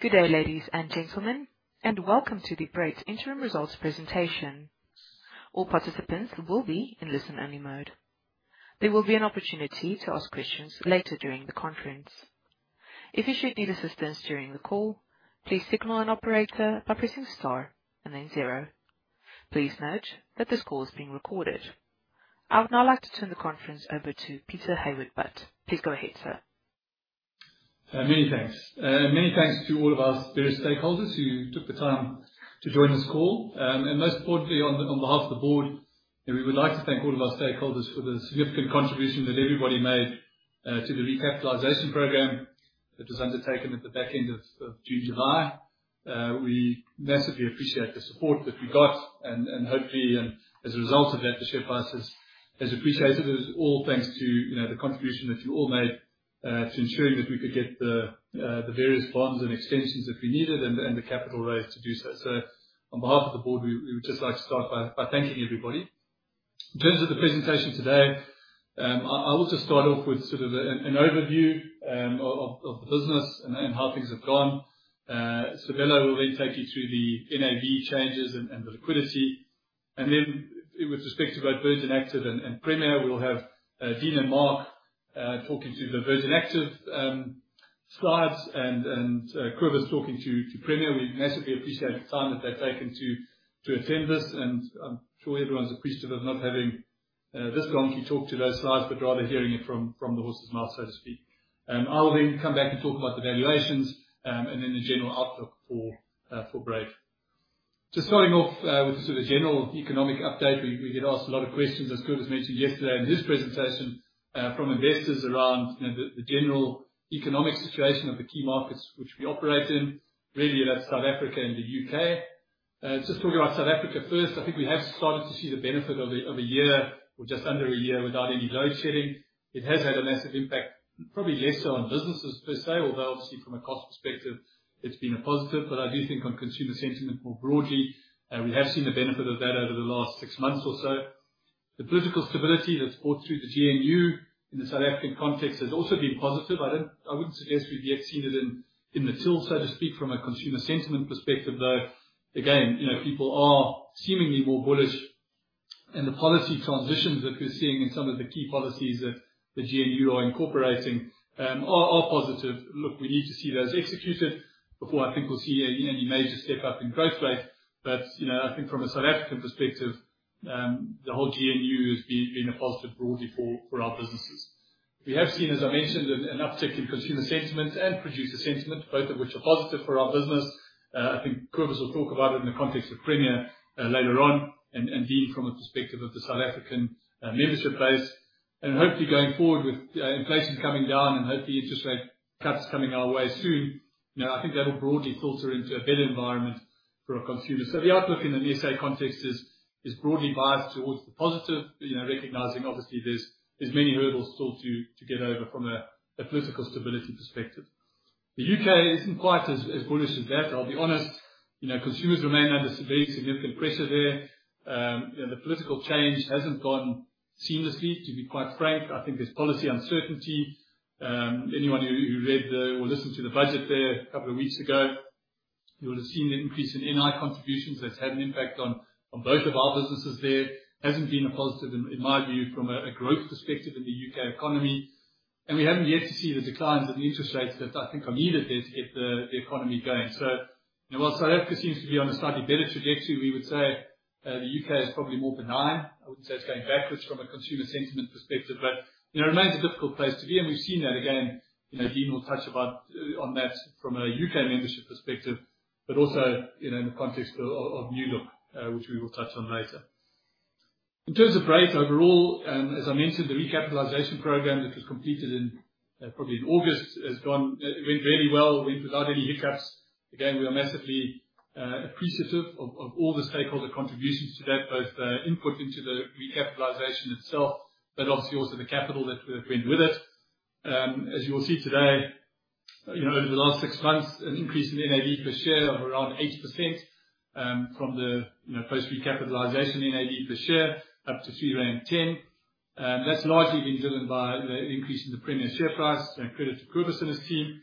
Good day, ladies and gentlemen, and welcome to the Brait Interim Results Presentation. All participants will be in listen-only mode. There will be an opportunity to ask questions later during the conference. If you should need assistance during the call, please signal an operator by pressing star and then zero. Please note that this call is being recorded. I would now like to turn the conference over to Peter Hayward-Butt. Please go ahead, sir. Many thanks. Many thanks to all of our various stakeholders who took the time to join this call. And most importantly, on behalf of the board, we would like to thank all of our stakeholders for the significant contribution that everybody made to the recapitalization program that was undertaken at the back end of June, July. We massively appreciate the support that we got, and hopefully, as a result of that, the share price has appreciated. It is all thanks to the contribution that you all made to ensuring that we could get the various bonds and extensions that we needed and the capital raised to do so. So, on behalf of the board, we would just like to start by thanking everybody. In terms of the presentation today, I will just start off with sort of an overview of the business and how things have gone. Sabelo will then take you through the NAV changes and the liquidity, and then, with respect to both Virgin Active and Premier, we'll have Dean and Mark talking to the Virgin Active slides and Kobus talking to Premier. We massively appreciate the time that they've taken to attend this, and I'm sure everyone's appreciative of not having this donkey talk to those slides, but rather hearing it from the horse's mouth, so to speak. I will then come back and talk about the valuations and then the general outlook for Brait. Just starting off with the sort of general economic update, we get asked a lot of questions, as Kobus mentioned yesterday in his presentation, from investors around the general economic situation of the key markets which we operate in, really that's South Africa and the U.K. Just talking about South Africa first, I think we have started to see the benefit of a year or just under a year without any load shedding. It has had a massive impact, probably less so on businesses per se, although obviously from a cost perspective, it's been a positive. But I do think on consumer sentiment more broadly, we have seen the benefit of that over the last six months or so. The political stability that's brought through the GNU in the South African context has also been positive. I wouldn't suggest we've yet seen it in the till, so to speak, from a consumer sentiment perspective, though. Again, people are seemingly more bullish, and the policy transitions that we're seeing in some of the key policies that the GNU are incorporating are positive. Look, we need to see those executed before I think we'll see any major step up in growth rate. I think from a South African perspective, the whole GNU has been a positive broadly for our businesses. We have seen, as I mentioned, an uptick in consumer sentiment and producer sentiment, both of which are positive for our business. I think Kobus will talk about it in the context of Premier later on and Dean from the perspective of the South African membership base. Hopefully going forward with inflation coming down and hopefully interest rate cuts coming our way soon, I think that'll broadly filter into a better environment for a consumer. The outlook in an SA context is broadly biased towards the positive, recognizing obviously there's many hurdles still to get over from a political stability perspective. The U.K. isn't quite as bullish as that. I'll be honest, consumers remain under some very significant pressure there. The political change hasn't gone seamlessly, to be quite frank. I think there's policy uncertainty. Anyone who read or listened to the budget there a couple of weeks ago, you would have seen the increase in NI contributions that's had an impact on both of our businesses there. Hasn't been a positive, in my view, from a growth perspective in the U.K. economy. And we haven't yet to see the declines in the interest rates that I think are needed there to get the economy going. So while South Africa seems to be on a slightly better trajectory, we would say the U.K. is probably more benign. I wouldn't say it's going backwards from a consumer sentiment perspective, but it remains a difficult place to be. And we've seen that again. Dean will touch on that from a U.K. membership perspective, but also in the context of New Look, which we will touch on later. In terms of Brait overall, as I mentioned, the recapitalization program that was completed in probably August went really well, went without any hiccups. Again, we are massively appreciative of all the stakeholder contributions to that, both the input into the recapitalization itself, but obviously also the capital that went with it. As you will see today, over the last six months, an increase in NAV per share of around 8% from the post-recapitalization NAV per share up to R3.10. That's largely been driven by the increase in the Premier share price, credit to Kobus and his team.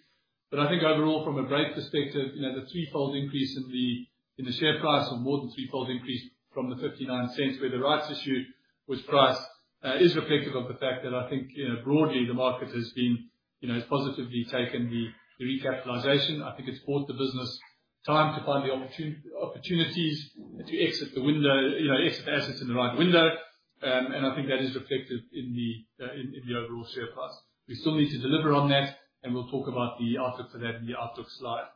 I think overall, from a Brait perspective, the threefold increase in the share price, or more than threefold increase from the 0.59 where the rights issued was priced, is reflective of the fact that I think broadly the market has positively taken the recapitalization. I think it's bought the business time to find the opportunities to exit the assets in the right window. And I think that is reflective in the overall share price. We still need to deliver on that, and we'll talk about the outlook for that in the outlook slide.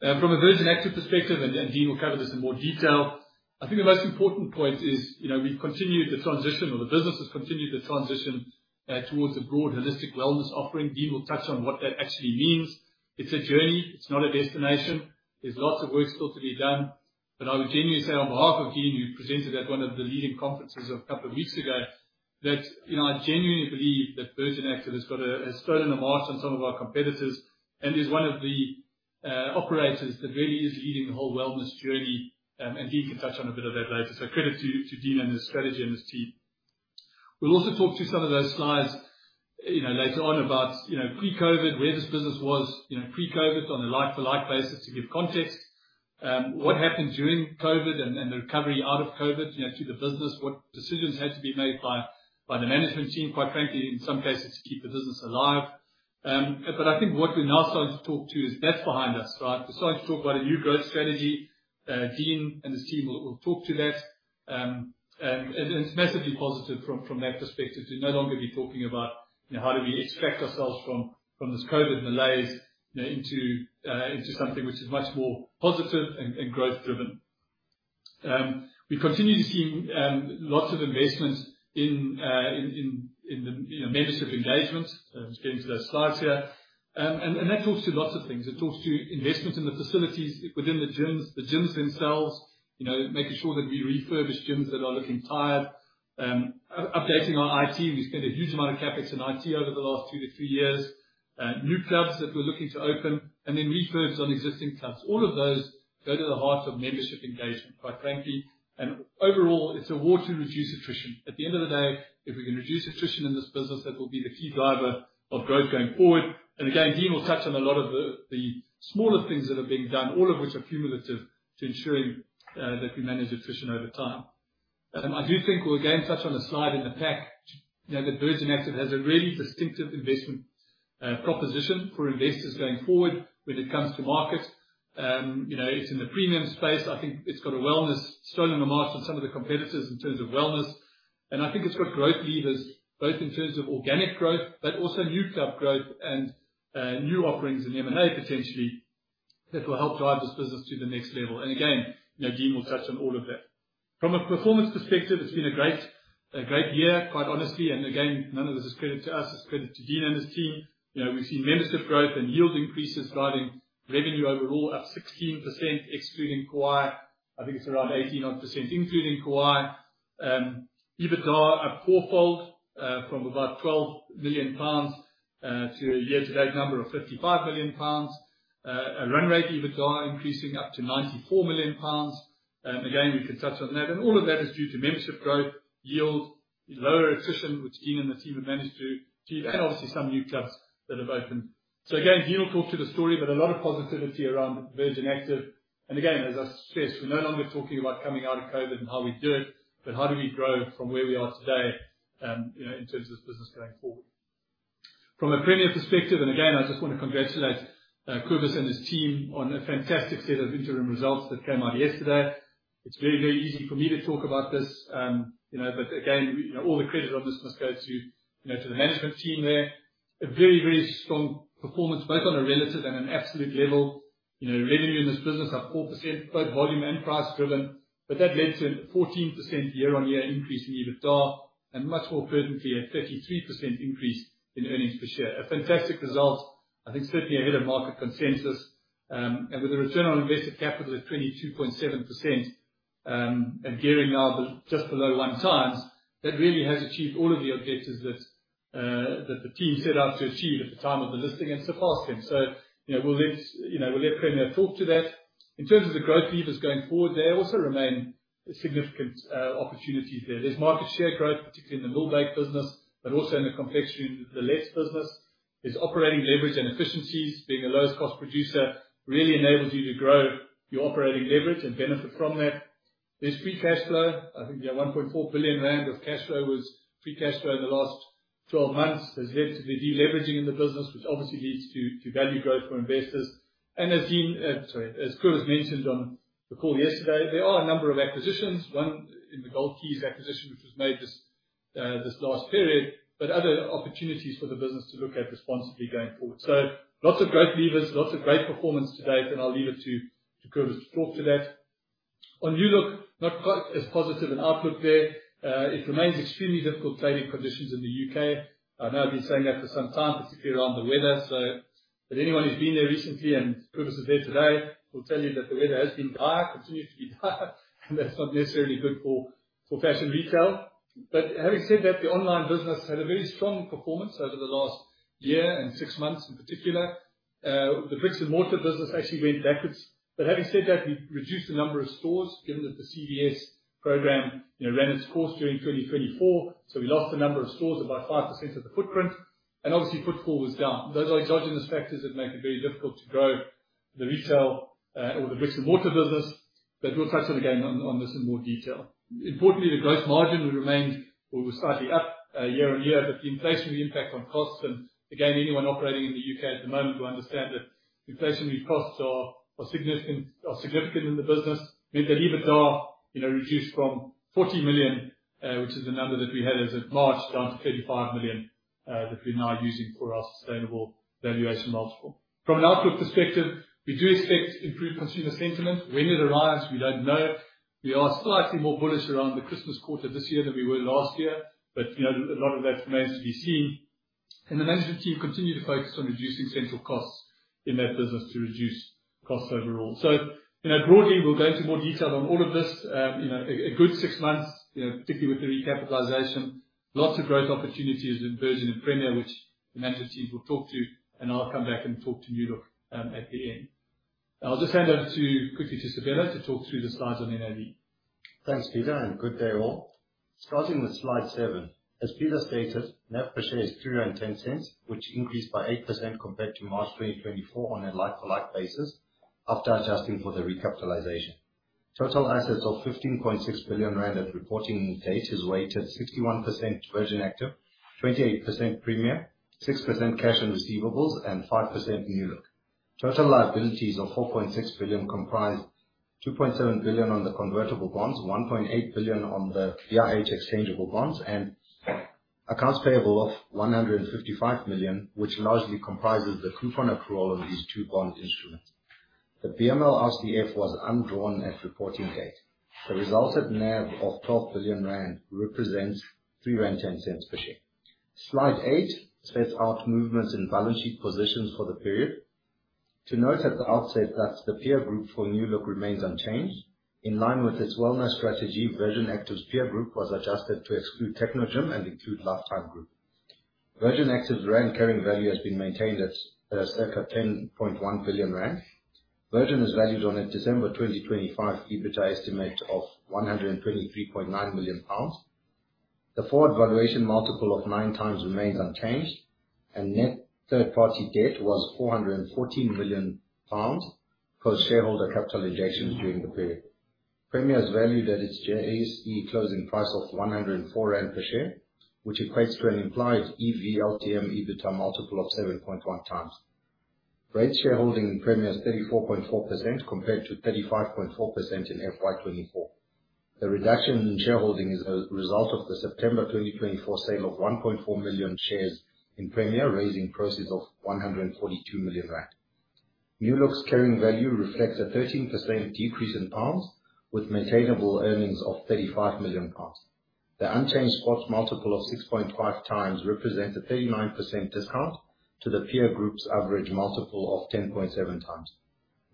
From a Virgin Active perspective, and Dean will cover this in more detail, I think the most important point is we've continued the transition, or the business has continued the transition towards a broad holistic wellness offering. Dean will touch on what that actually means. It's a journey. It's not a destination. There's lots of work still to be done, but I would genuinely say on behalf of Dean, who presented at one of the leading conferences a couple of weeks ago, that I genuinely believe that Virgin Active has stolen a march on some of our competitors. He's one of the operators that really is leading the whole wellness journey, and Dean can touch on a bit of that later. Credit to Dean and his strategy and his team. We'll also talk through some of those slides later on about pre-COVID, where this business was pre-COVID on a like-for-like basis to give context: what happened during COVID and the recovery out of COVID to the business, what decisions had to be made by the management team, quite frankly, in some cases to keep the business alive. But I think what we're now starting to talk to is that's behind us, right? We're starting to talk about a new growth strategy. Dean and his team will talk to that. And it's massively positive from that perspective to no longer be talking about how do we extract ourselves from this COVID malaise into something which is much more positive and growth-driven. We continue to see lots of investment in the membership engagement. I'm just getting to those slides here. And that talks to lots of things. It talks to investment in the facilities within the gyms themselves, making sure that we refurbish gyms that are looking tired, updating our IT. We spent a huge amount of CapEx in IT over the last two to three years, new clubs that we're looking to open, and then refurbish on existing clubs. All of those go to the heart of membership engagement, quite frankly. And overall, it's a war to reduce attrition. At the end of the day, if we can reduce attrition in this business, that will be the key driver of growth going forward. And again, Dean will touch on a lot of the smaller things that are being done, all of which are cumulative to ensuring that we manage attrition over time. I do think we'll again touch on a slide in the pack that Virgin Active has a really distinctive investment proposition for investors going forward when it comes to market. It's in the premium space. I think it's got a wellness, stolen a march on some of the competitors in terms of wellness. And I think it's got growth levers, both in terms of organic growth, but also new club growth and new offerings in M&A potentially that will help drive this business to the next level. And again, Dean will touch on all of that. From a performance perspective, it's been a great year, quite honestly. And again, none of this is credit to us. It's credit to Dean and his team. We've seen membership growth and yield increases driving revenue overall up 16%, excluding Kauai. I think it's around 18 odd %, including Kauai. EBITDA up fourfold from about 12 million pounds to a year-to-date number of 55 million pounds. A run rate EBITDA increasing up to 94 million pounds. Again, we can touch on that. And all of that is due to membership growth, yield, lower attrition, which Dean and the team have managed to achieve, and obviously some new clubs that have opened. So again, Dean will talk to the story, but a lot of positivity around Virgin Active. And again, as I stress, we're no longer talking about coming out of COVID and how we do it, but how do we grow from where we are today in terms of this business going forward. From a Premier perspective, and again, I just want to congratulate Kobus and his team on a fantastic set of interim results that came out yesterday. It's very, very easy for me to talk about this, but again, all the credit on this must go to the management team there. A very, very strong performance, both on a relative and an absolute level. Revenue in this business up 4%, both volume and price driven, but that led to a 14% year-on-year increase in EBITDA and much more fervently a 33% increase in earnings per share. A fantastic result. I think certainly ahead of market consensus, and with a return on invested capital of 22.7% and gearing now just below one times, that really has achieved all of the objectives that the team set out to achieve at the time of the listing and surpassed them, so we'll let Premier talk to that. In terms of the growth levers going forward, there also remain significant opportunities there. There's market share growth, particularly in the milling business, but also in the confectionery and the Lil-lets business. There's operating leverage and efficiencies. Being a lowest cost producer really enables you to grow your operating leverage and benefit from that. There's free cash flow. I think 1.4 billion rand of cash flow was free cash flow in the last 12 months has led to the deleveraging in the business, which obviously leads to value growth for investors. And as Dean, sorry, as Kobus mentioned on the call yesterday, there are a number of acquisitions, one in the Goldkeys acquisition, which was made this last period, but other opportunities for the business to look at responsibly going forward. So lots of growth levers, lots of great performance to date, and I'll leave it to Kobus to talk to that. On New Look, not quite as positive an outlook there. It remains extremely difficult trading conditions in the U.K. I know I've been saying that for some time, particularly around the weather. But anyone who's been there recently and Kobus is there today will tell you that the weather has been dire, continues to be dire, and that's not necessarily good for fashion retail. But having said that, the online business had a very strong performance over the last year and six months in particular. The bricks and mortar business actually went backwards. But having said that, we reduced the number of stores given that the CVA program ran its course during 2024. So we lost the number of stores about 5% of the footprint. And obviously, footfall was down. Those are exogenous factors that make it very difficult to grow the retail or the bricks and mortar business. But we'll touch on again on this in more detail. Importantly, the gross margin remained or was slightly up year on year, but the inflationary impact on costs and again, anyone operating in the U.K. at the moment will understand that inflationary costs are significant in the business. Meant that EBITDA reduced from 40 million, which is the number that we had as of March, down to 35 million that we're now using for our sustainable valuation multiple. From an outlook perspective, we do expect improved consumer sentiment. When it arrives, we don't know. We are slightly more bullish around the Christmas quarter this year than we were last year, but a lot of that remains to be seen, and the management team continue to focus on reducing central costs in that business to reduce costs overall, so broadly, we'll go into more detail on all of this. A good six months, particularly with the recapitalisation, lots of growth opportunities in Virgin Active and Premier, which the management team will talk to, and I'll come back and talk to New Look at the end. I'll just hand over quickly to Sabelo to talk through the slides on NAV. Thanks, Peter, and good day all. Starting with slide seven, as Peter stated, net per share is £3.10, which increased by 8% compared to March 2024 on a like-for-like basis after adjusting for the recapitalisation. Total assets of R15.6 billion at reporting date is weighted 61% Virgin Active, 28% Premier, 6% cash and receivables, and 5% New Look. Total liabilities of £4.6 billion comprised £2.7 billion on the convertible bonds, £1.8 billion on the BIH exchangeable bonds, and accounts payable of £155 million, which largely comprises the coupon accrual on these two bond instruments. The Premier RCF was undrawn at reporting date. The resultant NAV of GBP 12 billion represents GBP 3.10 per share. Slide eight sets out movements in balance sheet positions for the period. To note at the outset that the peer group for New Look remains unchanged. In line with its wellness strategy, Virgin Active's peer group was adjusted to exclude Technogym and include Life Time Group. Virgin Active's rand carrying value has been maintained at circa 10.1 billion rand. Virgin is valued on a December 2025 EBITDA estimate of 123.9 million pounds. The forward valuation multiple of nine times remains unchanged, and net third-party debt was 414 million pounds post-shareholder capital injection during the period. Premier is valued at its JSE closing price of 104 rand per share, which equates to an implied EV/LTM EBITDA multiple of 7.1 times. Brait's shareholding in Premier is 34.4% compared to 35.4% in FY24. The reduction in shareholding is a result of the September 2024 sale of 1.4 million shares in Premier, raising proceeds of GBP 142 million. New Look's carrying value reflects a 13% decrease in pounds with maintainable earnings of 35 million pounds. The unchanged spot multiple of 6.5 times represents a 39% discount to the peer group's average multiple of 10.7 times.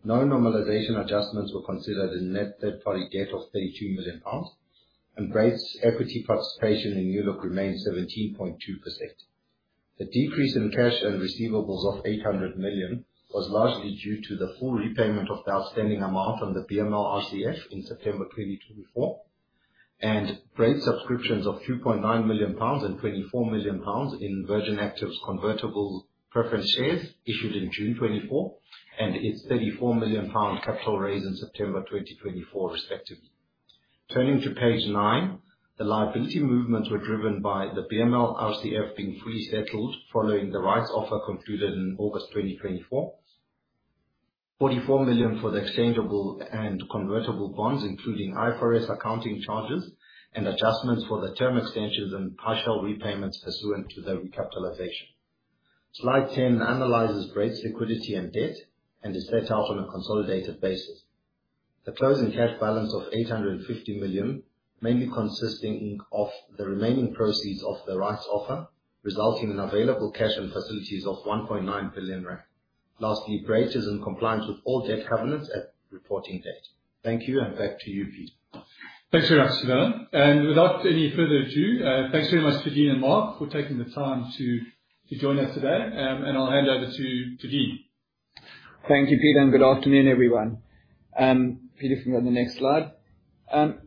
No normalisation adjustments were considered in net third-party debt of GBP 32 million, and Brait's equity participation in New Look remains 17.2%. The decrease in cash and receivables of 800 million was largely due to the full repayment of the outstanding amount on the BML RCF in September 2024, and Brait's subscriptions of 2.9 million pounds and 24 million pounds in Virgin Active's convertible preference shares issued in June 2024 and its 34 million pound capital raise in September 2024, respectively. Turning to page nine, the liability movements were driven by the BML RCF being fully settled following the rights offer concluded in August 2024. 44 million for the exchangeable and convertible bonds, including IFRS accounting charges and adjustments for the term extensions and partial repayments pursuant to the recapitalisation. Slide 10 analyzes Brait's liquidity and debt and is set out on a consolidated basis. The closing cash balance of 850 million mainly consisting of the remaining proceeds of the rights offer resulting in available cash and facilities of GBP 1.9 billion. Lastly, Brait is in compliance with all debt covenants at reporting date. Thank you, and back to you, Peter. Thanks very much, Sabelo. And without any further ado, thanks very much to Dean and Mark for taking the time to join us today. And I'll hand over to Dean. Thank you, Peter, and good afternoon, everyone. Peter, if you can go to the next slide.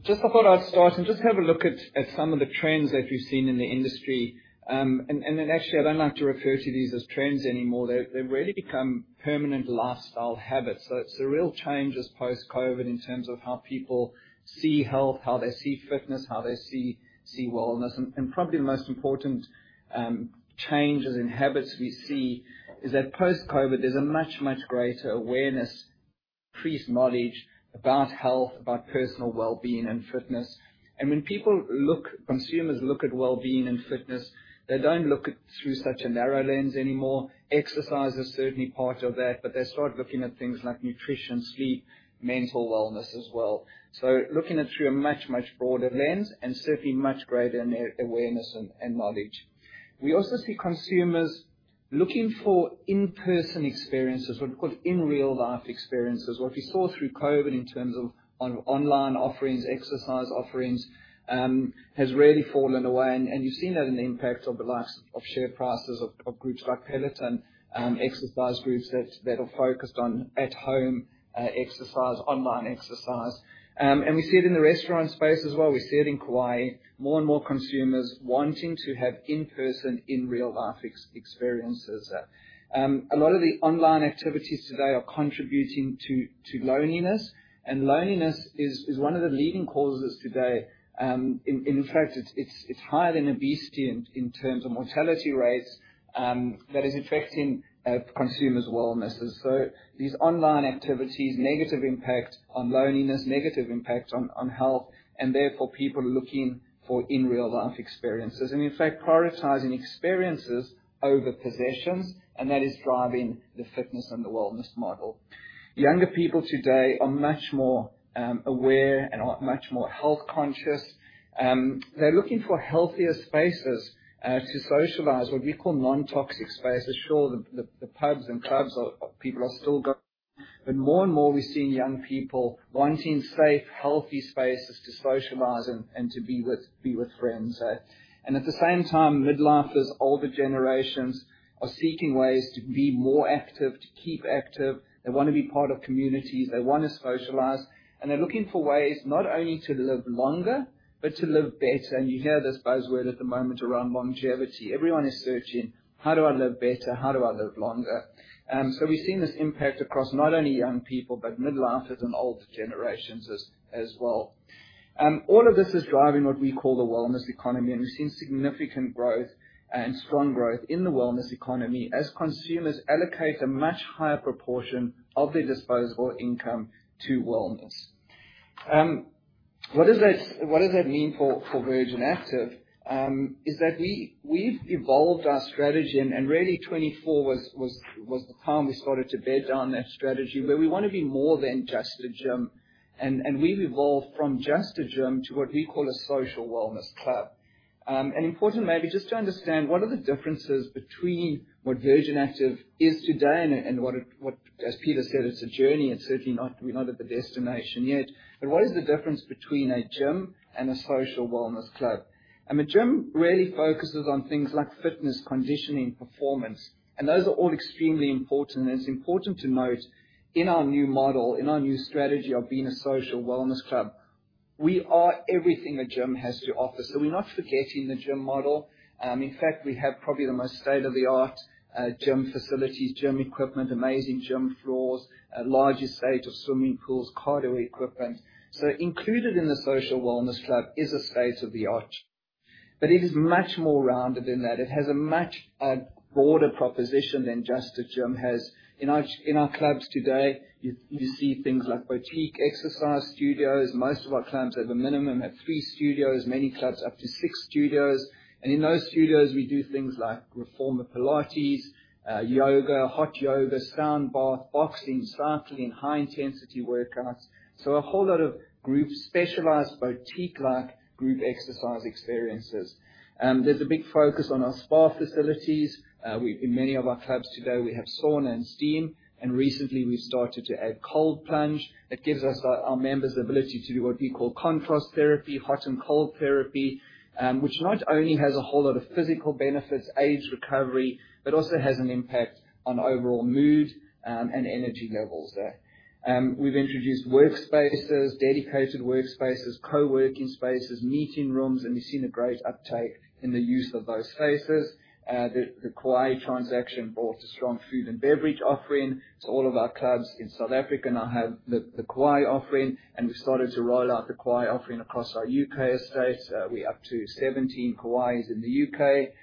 Just, I thought I'd start and just have a look at some of the trends that we've seen in the industry. And actually, I don't like to refer to these as trends anymore. They've really become permanent lifestyle habits. So it's a real change as post-COVID in terms of how people see health, how they see fitness, how they see wellness. And probably the most important change in habits we see is that post-COVID, there's a much, much greater awareness, increased knowledge about health, about personal well-being and fitness. And when people look, consumers look at well-being and fitness, they don't look through such a narrow lens anymore. Exercise is certainly part of that, but they start looking at things like nutrition, sleep, mental wellness as well. So looking at it through a much, much broader lens and certainly much greater awareness and knowledge. We also see consumers looking for in-person experiences, what we call in-real-life experiences, what we saw through COVID in terms of online offerings, exercise offerings has really fallen away. and you've seen that in the impact of the likes of share prices of groups like Peloton, exercise groups that are focused on at-home exercise, online exercise. and we see it in the restaurant space as well. We see it in Kauai. More and more consumers wanting to have in-person, in-real-life experiences. A lot of the online activities today are contributing to loneliness. and loneliness is one of the leading causes today. In fact, it's higher than obesity in terms of mortality rates that is affecting consumers' wellnesses. So these online activities, negative impact on loneliness, negative impact on health, and therefore people looking for in-real-life experiences. And in fact, prioritizing experiences over possessions, and that is driving the fitness and the wellness model. Younger people today are much more aware and much more health conscious. They're looking for healthier spaces to socialize, what we call non-toxic spaces. Sure, the pubs and clubs of people are still going, but more and more we're seeing young people wanting safe, healthy spaces to socialize and to be with friends. And at the same time, midlifeers, older generations are seeking ways to be more active, to keep active. They want to be part of communities. They want to socialize. And they're looking for ways not only to live longer, but to live better. And you hear this buzzword at the moment around longevity. Everyone is searching, how do I live better? How do I live longer? We've seen this impact across not only young people, but midlifers and older generations as well. All of this is driving what we call the wellness economy. We've seen significant growth and strong growth in the wellness economy as consumers allocate a much higher proportion of their disposable income to wellness. What does that mean for Virgin Active? It is that we've evolved our strategy, and really 2024 was the time we started to bed down that strategy where we want to be more than just a gym. We've evolved from just a gym to what we call a social wellness club. It is important maybe just to understand what are the differences between what Virgin Active is today and what, as Peter said, it is a journey. It is certainly not. We're not at the destination yet. But what is the difference between a gym and a social wellness club? A gym really focuses on things like fitness, conditioning, performance. And those are all extremely important. And it's important to note in our new model, in our new strategy of being a social wellness club, we are everything a gym has to offer. So we're not forgetting the gym model. In fact, we have probably the most state-of-the-art gym facilities, gym equipment, amazing gym floors, larger state-of-the-art swimming pools, cardio equipment. So included in the social wellness club is a state-of-the-art. But it is much more rounded than that. It has a much broader proposition than just a gym has. In our clubs today, you see things like boutique exercise studios. Most of our clubs have a minimum of three studios, many clubs up to six studios. In those studios, we do things like reformer Pilates, yoga, hot yoga, sound bath, boxing, cycling, high-intensity workouts. A whole lot of group specialized boutique-like group exercise experiences. There's a big focus on our spa facilities. In many of our clubs today, we have sauna and steam. Recently, we've started to add cold plunge. That gives us our members the ability to do what we call contrast therapy, hot and cold therapy, which not only has a whole lot of physical benefits, age recovery, but also has an impact on overall mood and energy levels. We've introduced workspaces, dedicated workspaces, co-working spaces, meeting rooms, and we've seen a great uptake in the use of those spaces. The Kauai transaction brought a strong food and beverage offering. All of our clubs in South Africa now have the Kauai offering, and we've started to roll out the Kauai offering across our U.K. estates. We're up to 17 Kauais in the U.K.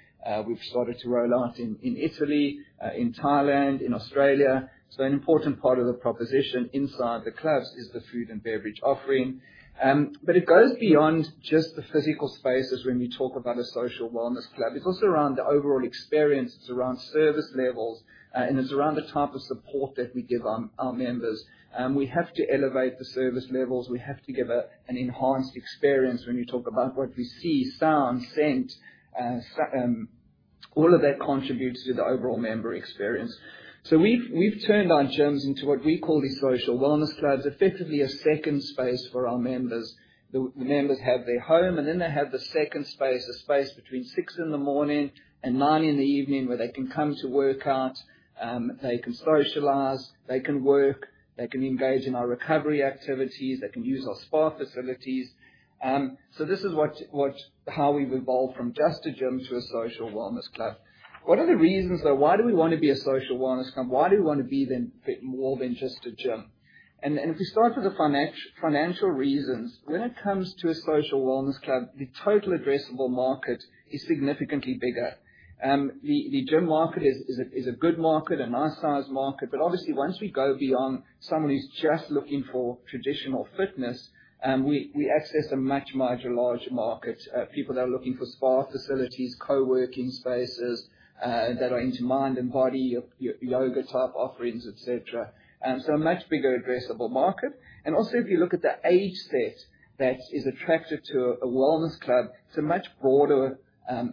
We've started to roll out in Italy, in Thailand, in Australia. An important part of the proposition inside the clubs is the food and beverage offering. But it goes beyond just the physical spaces when we talk about a social wellness club. It's also around the overall experience. It's around service levels, and it's around the type of support that we give our members. We have to elevate the service levels. We have to give an enhanced experience when you talk about what we see, sound, scent. All of that contributes to the overall member experience. So we've turned our gyms into what we call these social wellness clubs, effectively a second space for our members. The members have their home, and then they have the second space, a space between 6:00 A.M. and 9:00 P.M. where they can come to work out. They can socialize. They can work. They can engage in our recovery activities. They can use our spa facilities. So this is how we've evolved from just a gym to a social wellness club. What are the reasons, though? Why do we want to be a social wellness club? Why do we want to be more than just a gym? And if we start with the financial reasons, when it comes to a social wellness club, the total addressable market is significantly bigger. The gym market is a good market, a nice-sized market, but obviously, once we go beyond someone who's just looking for traditional fitness, we access a much larger market, people that are looking for spa facilities, co-working spaces that are into mind and body, yoga type offerings, etc. So a much bigger addressable market. And also, if you look at the age set that is attracted to a wellness club, it's a much broader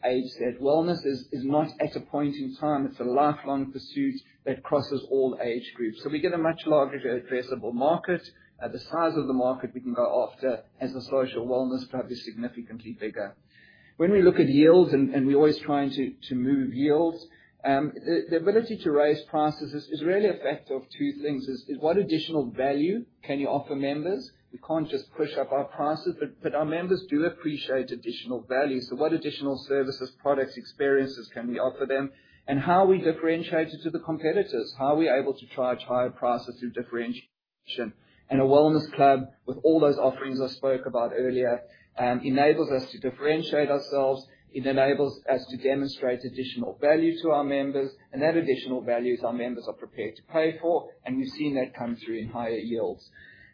age set. Wellness is not at a point in time. It's a lifelong pursuit that crosses all age groups. So we get a much larger addressable market. The size of the market we can go after as a social wellness club is significantly bigger. When we look at yields, and we're always trying to move yields, the ability to raise prices is really a factor of two things. What additional value can you offer members? We can't just push up our prices, but our members do appreciate additional value. So what additional services, products, experiences can we offer them? And how are we differentiated to the competitors? How are we able to charge higher prices through differentiation? And a wellness club with all those offerings I spoke about earlier enables us to differentiate ourselves. It enables us to demonstrate additional value to our members. And that additional value is our members are prepared to pay for, and we've seen that come through in higher yields.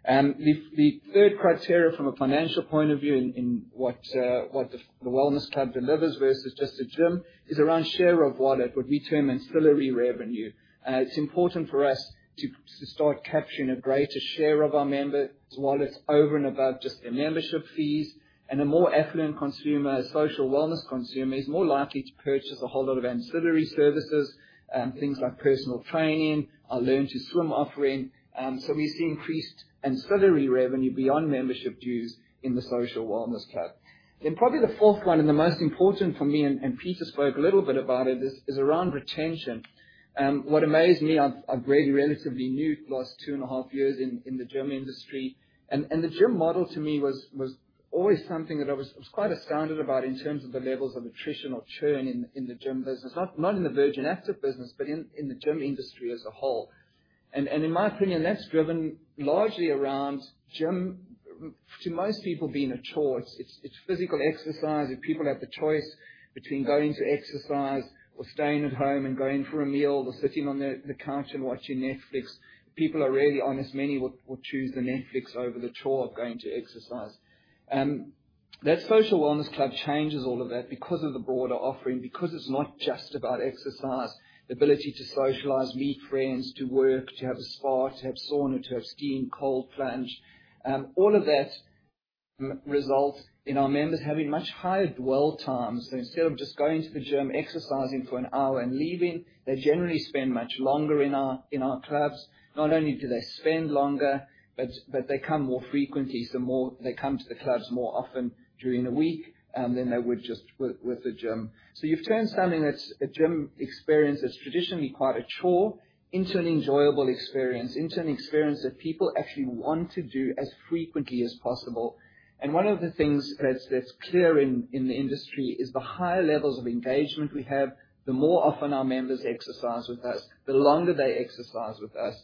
The third criteria from a financial point of view in what the wellness club delivers versus just a gym is around share of wallet, what we term ancillary revenue. It's important for us to start capturing a greater share of our members' wallets over and above just their membership fees. A more affluent consumer, a social wellness consumer, is more likely to purchase a whole lot of ancillary services, things like personal training, a learn-to-swim offering. We see increased ancillary revenue beyond membership dues in the social wellness club. Probably the fourth one and the most important for me, and Peter spoke a little bit about it, is around retention. What amazed me, I've really relatively new, last two and a half years in the gym industry. The gym model to me was always something that I was quite astounded about in terms of the levels of attrition or churn in the gym business, not in the Virgin Active business, but in the gym industry as a whole. In my opinion, that's driven largely around gym, to most people being a chore, it's physical exercise. If people have the choice between going to exercise or staying at home and going for a meal or sitting on the couch and watching Netflix, people are really honest, many will choose the Netflix over the chore of going to exercise. That social wellness club changes all of that because of the broader offering, because it's not just about exercise, the ability to socialize, meet friends, to work, to have a spa, to have sauna, to have steam, cold plunge. All of that results in our members having much higher dwell times. So instead of just going to the gym, exercising for an hour and leaving, they generally spend much longer in our clubs. Not only do they spend longer, but they come more frequently. So they come to the clubs more often during the week than they would just with a gym. So you've turned something that's a gym experience that's traditionally quite a chore into an enjoyable experience, into an experience that people actually want to do as frequently as possible. And one of the things that's clear in the industry is the higher levels of engagement we have, the more often our members exercise with us, the longer they exercise with us,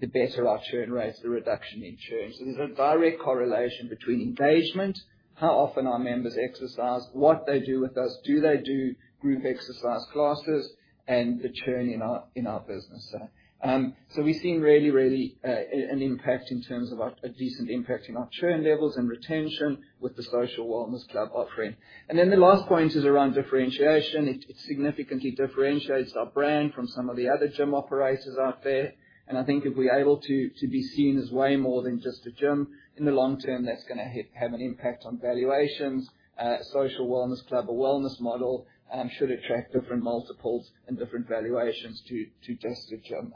the better our churn rates, the reduction in churn. So there's a direct correlation between engagement, how often our members exercise, what they do with us, do they do group exercise classes, and the churn in our business. So we've seen really, really an impact in terms of a decent impact in our churn levels and retention with the social wellness club offering. And then the last point is around differentiation. It significantly differentiates our brand from some of the other gym operators out there. I think if we're able to be seen as way more than just a gym, in the long term, that's going to have an impact on valuations. A social wellness club, a wellness model, should attract different multiples and different valuations to just a gym.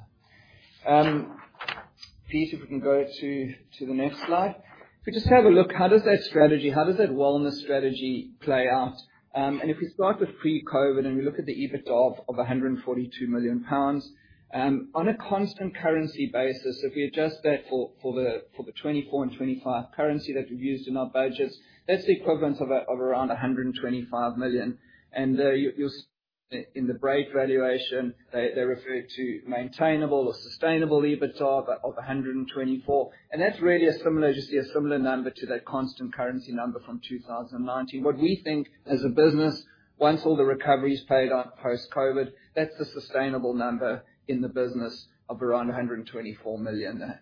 Peter, if we can go to the next slide. If we just have a look, how does that strategy, how does that wellness strategy play out? If we start with pre-COVID and we look at the EBITDA of 142 million pounds, on a constant currency basis, if we adjust that for the 24 and 25 currency that we've used in our budgets, that's the equivalent of around 125 million. In the Brait valuation, they refer to maintainable or sustainable EBITDA of 124. That's really a similar, you see a similar number to that constant currency number from 2019. What we think as a business, once all the recovery is paid out post-COVID, that's the sustainable number in the business of around 124 million.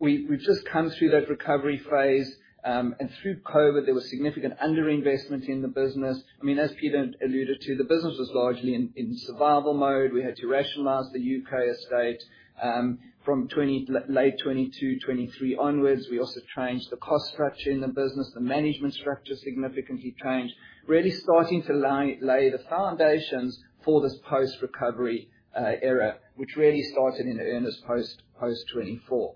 We've just come through that recovery phase. Through COVID, there was significant underinvestment in the business. I mean, as Peter alluded to, the business was largely in survival mode. We had to rationalize the U.K. estate. From late 2022, 2023 onwards, we also changed the cost structure in the business. The management structure significantly changed, really starting to lay the foundations for this post-recovery era, which really started in earnest post-2024.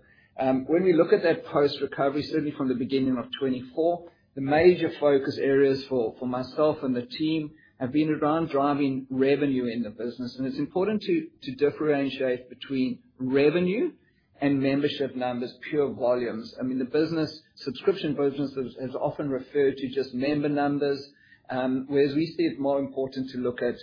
When we look at that post-recovery, certainly from the beginning of 2024, the major focus areas for myself and the team have been around driving revenue in the business. It's important to differentiate between revenue and membership numbers, pure volumes. I mean, the business subscription business has often referred to just member numbers, whereas we see it more important to look at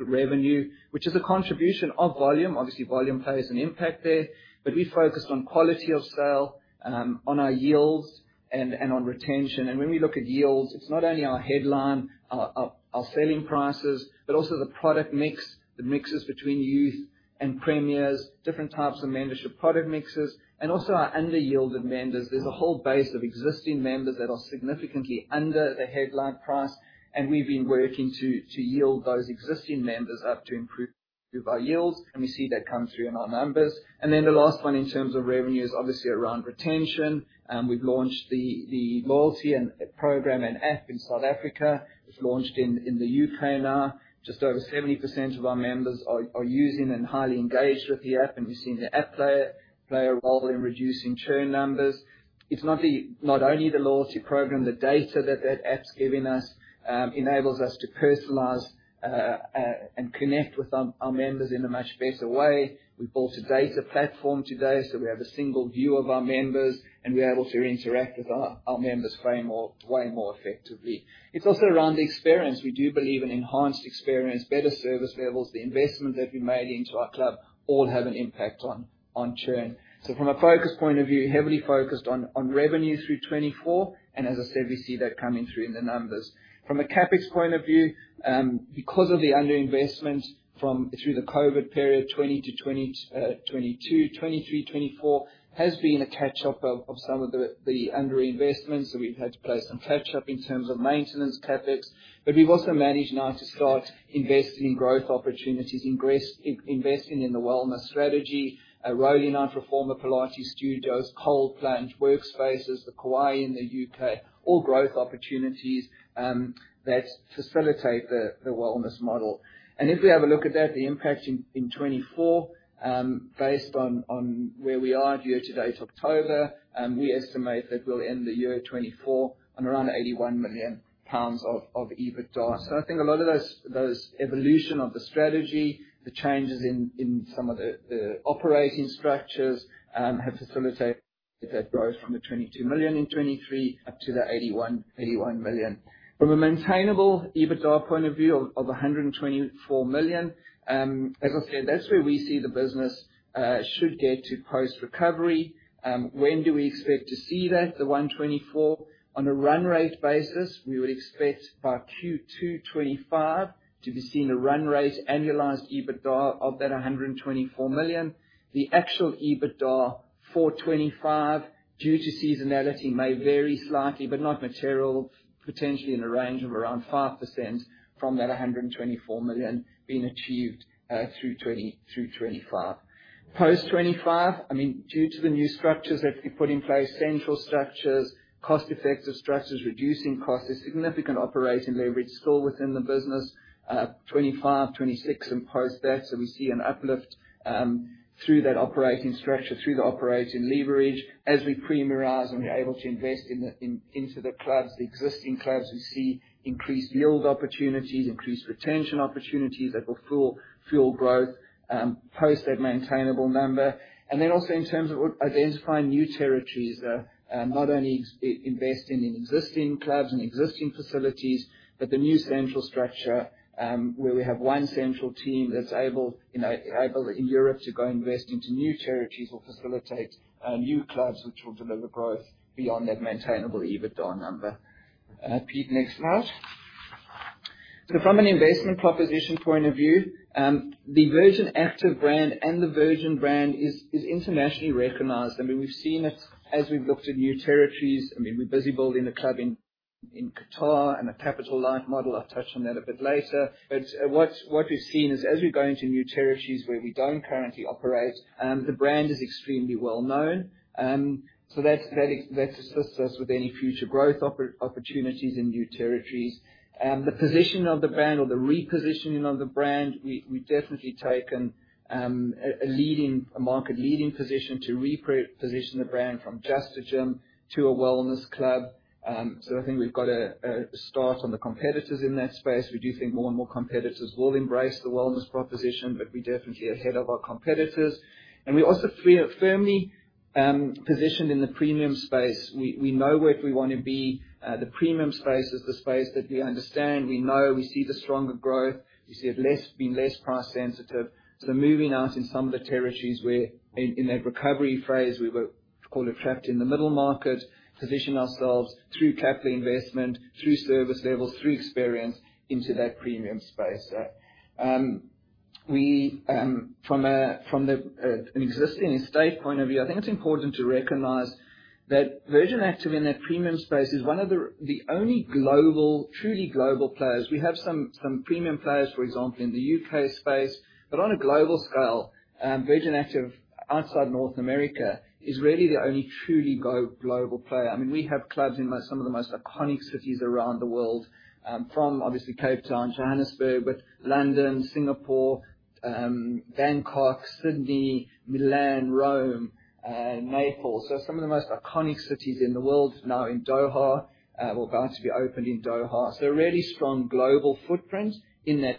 revenue, which is a contribution of volume. Obviously, volume plays an impact there. But we focused on quality of sale, on our yields, and on retention. And when we look at yields, it's not only our headline, our selling prices, but also the product mix that mixes between youth and premiums, different types of membership product mixes, and also our under-yielded members. There's a whole base of existing members that are significantly under the headline price. And we've been working to yield those existing members up to improve our yields. And we see that come through in our numbers. And then the last one in terms of revenue is obviously around retention. We've launched the loyalty program and app in South Africa. It's launched in the U.K. now. Just over 70% of our members are using and highly engaged with the app. We've seen the app play a role in reducing churn numbers. It's not only the loyalty program, the data that that app's giving us enables us to personalize and connect with our members in a much better way. We've built a data platform today, so we have a single view of our members, and we're able to interact with our members way more effectively. It's also around the experience. We do believe in enhanced experience, better service levels. The investment that we made into our club all have an impact on churn. From a focus point of view, heavily focused on revenue through 2024. As I said, we see that coming through in the numbers. From a CapEx point of view, because of the underinvestment through the COVID period, 2022, 2023, 2024 has been a catch-up of some of the underinvestments. So we've had to play some catch-up in terms of maintenance CapEx. But we've also managed now to start investing in growth opportunities, investing in the wellness strategy, rolling out reformer Pilates studios, cold plunge workspaces, the Kauai in the U.K., all growth opportunities that facilitate the wellness model. And if we have a look at that, the impact in 2024, based on where we are year to date October, we estimate that we'll end the year 2024 on around 81 million pounds of EBITDA. So I think a lot of those evolution of the strategy, the changes in some of the operating structures have facilitated that growth from the 22 million in 2023 up to the 81 million. From a maintainable EBITDA point of view of 124 million, as I said, that's where we see the business should get to post-recovery. When do we expect to see that, the 124? On a run rate basis, we would expect by Q2 2025 to be seen a run rate annualised EBITDA of that 124 million. The actual EBITDA for 2025 due to seasonality may vary slightly, but not material, potentially in a range of around 5% from that 124 million being achieved through 2025. Post-2025, I mean, due to the new structures that we put in place, central structures, cost-effective structures, reducing costs, there's significant operating leverage still within the business, 2025, 2026, and post that. So we see an uplift through that operating structure, through the operating leverage. As we premierise and we're able to invest into the clubs, the existing clubs, we see increased yield opportunities, increased retention opportunities that will fuel growth post that maintainable number. And then also in terms of identifying new territories, not only investing in existing clubs and existing facilities, but the new central structure where we have one central team that's able in Europe to go invest into new territories will facilitate new clubs which will deliver growth beyond that maintainable EBITDA number. Peter, next slide. So from an investment proposition point of view, the Virgin Active brand and the Virgin brand is internationally recognized. I mean, we've seen it as we've looked at new territories. I mean, we're busy building a club in Qatar and a capital-light model. I'll touch on that a bit later. But what we've seen is as we go into new territories where we don't currently operate, the brand is extremely well known. So that assists us with any future growth opportunities in new territories. The position of the brand or the repositioning of the brand, we've definitely taken a market leading position to reposition the brand from just a gym to a wellness club. So I think we've got a start on the competitors in that space. We do think more and more competitors will embrace the wellness proposition, but we're definitely ahead of our competitors. And we're also firmly positioned in the premium space. We know where we want to be. The premium space is the space that we understand. We know we see the stronger growth. We see it being less price sensitive. So, moving out in some of the territories where, in that recovery phase, we were called a trapped in the middle market, position ourselves through capital investment, through service levels, through experience into that premium space. From an existing estate point of view, I think it's important to recognize that Virgin Active in that premium space is one of the only truly global players. We have some premium players, for example, in the U.K. space. But on a global scale, Virgin Active outside North America is really the only truly global player. I mean, we have clubs in some of the most iconic cities around the world, from obviously Cape Town, Johannesburg, but London, Singapore, Bangkok, Sydney, Milan, Rome, Naples. So some of the most iconic cities in the world now in Doha were about to be opened in Doha. So a really strong global footprint in that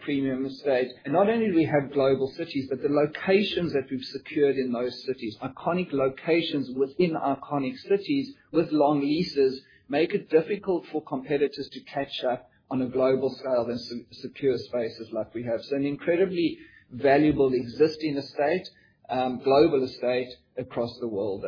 premium estate. Not only do we have global cities, but the locations that we've secured in those cities, iconic locations within iconic cities with long leases, make it difficult for competitors to catch up on a global scale and secure spaces like we have. An incredibly valuable existing estate, global estate across the world.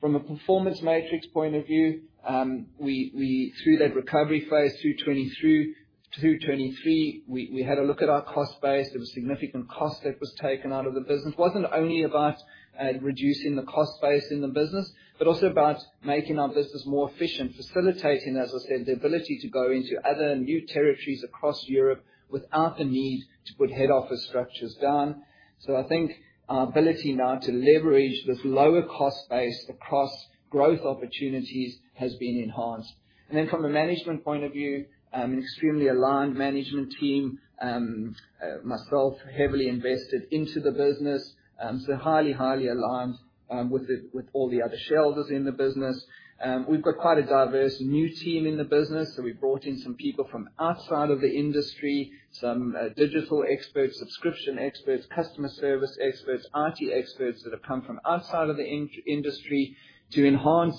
From a performance metrics point of view, through that recovery phase through 2023, we had a look at our cost base. There was significant cost that was taken out of the business. It wasn't only about reducing the cost base in the business, but also about making our business more efficient, facilitating, as I said, the ability to go into other new territories across Europe without the need to put head office structures down. I think our ability now to leverage this lower cost base across growth opportunities has been enhanced. And then, from a management point of view, an extremely aligned management team, myself heavily invested into the business, so highly, highly aligned with all the other shareholders in the business. We've got quite a diverse new team in the business. So we've brought in some people from outside of the industry, some digital experts, subscription experts, customer service experts, IT experts that have come from outside of the industry to enhance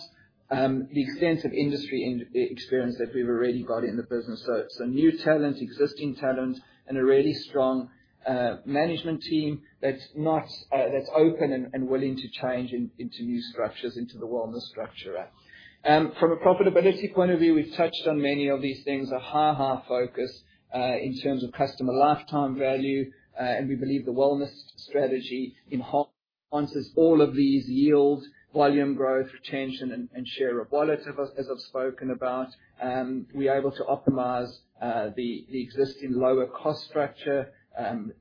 the extensive industry experience that we've already got in the business. So new talent, existing talent, and a really strong management team that's open and willing to change into new structures, into the wellness structure. From a profitability point of view, we've touched on many of these things, a hard focus in terms of customer lifetime value. We believe the wellness strategy enhances all of these yield, volume growth, retention, and share of wallet, as I've spoken about. We're able to optimize the existing lower cost structure and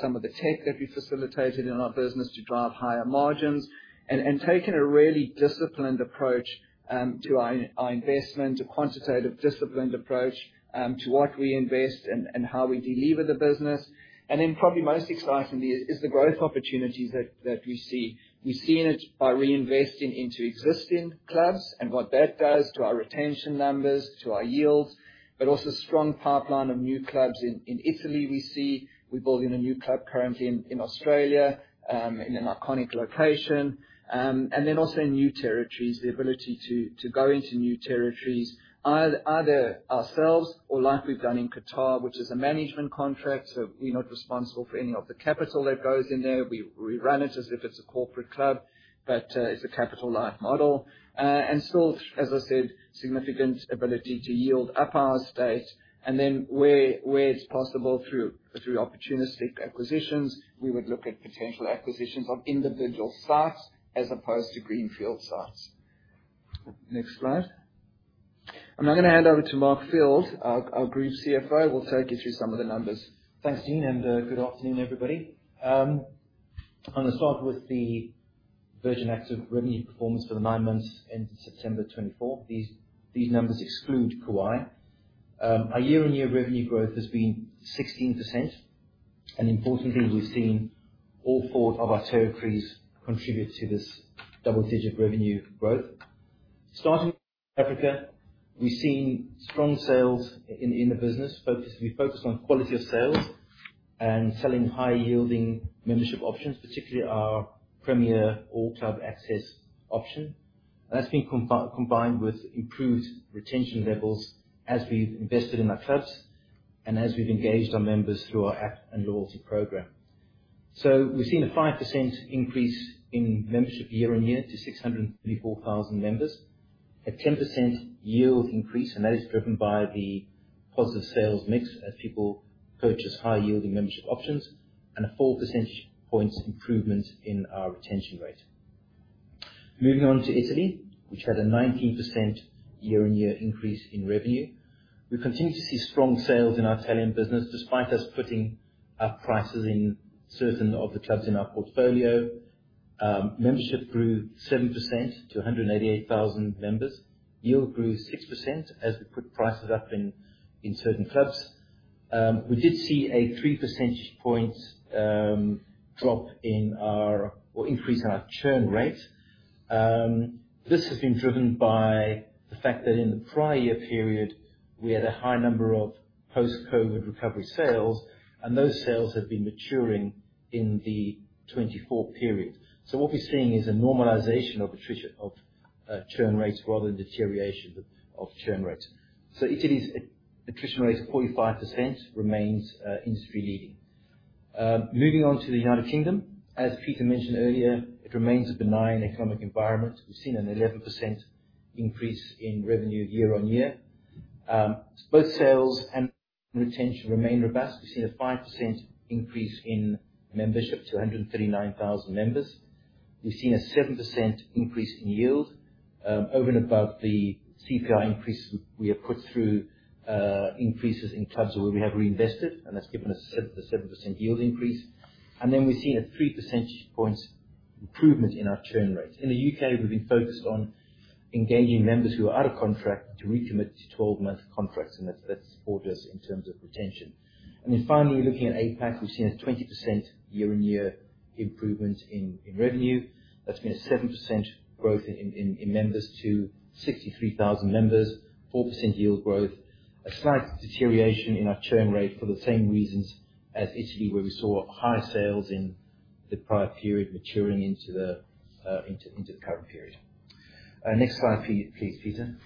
some of the tech that we facilitated in our business to drive higher margins. Taking a really disciplined approach to our investment, a quantitative disciplined approach to what we invest and how we deliver the business. Then probably most excitingly is the growth opportunities that we see. We've seen it by reinvesting into existing clubs and what that does to our retention numbers, to our yields, but also strong pipeline of new clubs in Italy we see. We're building a new club currently in Australia in an iconic location. Then also in new territories, the ability to go into new territories either ourselves or like we've done in Qatar, which is a management contract. We're not responsible for any of the capital that goes in there. We run it as if it's a corporate club, but it's a capital-light model. And still, as I said, significant ability to yield up our estate. And then where it's possible through opportunistic acquisitions, we would look at potential acquisitions of individual sites as opposed to greenfield sites. Next slide. I'm now going to hand over to Mark Field, our Group CFO. We'll take you through some of the numbers. Thanks, Dean, and good afternoon, everybody. I'm going to start with the Virgin Active revenue performance for the nine months ending September 2024. These numbers exclude Kauai. Our year-on-year revenue growth has been 16%. And importantly, we've seen all four of our territories contribute to this double-digit revenue growth. Starting with Africa, we've seen strong sales in the business. We've focused on quality of sales and selling high-yielding membership options, particularly our Premier all-club access option, and that's been combined with improved retention levels as we've invested in our clubs and as we've engaged our members through our app and loyalty program, so we've seen a 5% increase in membership year-on-year to 634,000 members, a 10% yield increase, and that is driven by the positive sales mix as people purchase high-yielding membership options, and a four percentage points improvement in our retention rate. Moving on to Italy, which had a 19% year-on-year increase in revenue. We continue to see strong sales in our Italian business despite us putting up prices in certain of the clubs in our portfolio. Membership grew 7% to 188,000 members. Yield grew 6% as we put prices up in certain clubs. We did see a 3 percentage point drop in our or increase in our churn rate. This has been driven by the fact that in the prior year period, we had a high number of post-COVID recovery sales, and those sales have been maturing in the 24 period. So what we're seeing is a normalization of churn rates rather than deterioration of churn rates. So Italy's attrition rate of 45% remains industry-leading. Moving on to the United Kingdom, as Peter mentioned earlier, it remains a benign economic environment. We've seen an 11% increase in revenue year-on-year. Both sales and retention remain robust. We've seen a 5% increase in membership to 139,000 members. We've seen a 7% increase in yield over and above the CPI increases we have put through increases in clubs where we have reinvested, and that's given us a 7% yield increase. And then we've seen a 3 percentage points improvement in our churn rate. In the U.K., we've been focused on engaging members who are out of contract to recommit to 12-month contracts, and that's supported us in terms of retention. And then finally, looking at APAC, we've seen a 20% year-on-year improvement in revenue. That's been a 7% growth in members to 63,000 members, 4% yield growth, a slight deterioration in our churn rate for the same reasons as Italy, where we saw high sales in the prior period maturing into the current period. Next slide, please, Peter.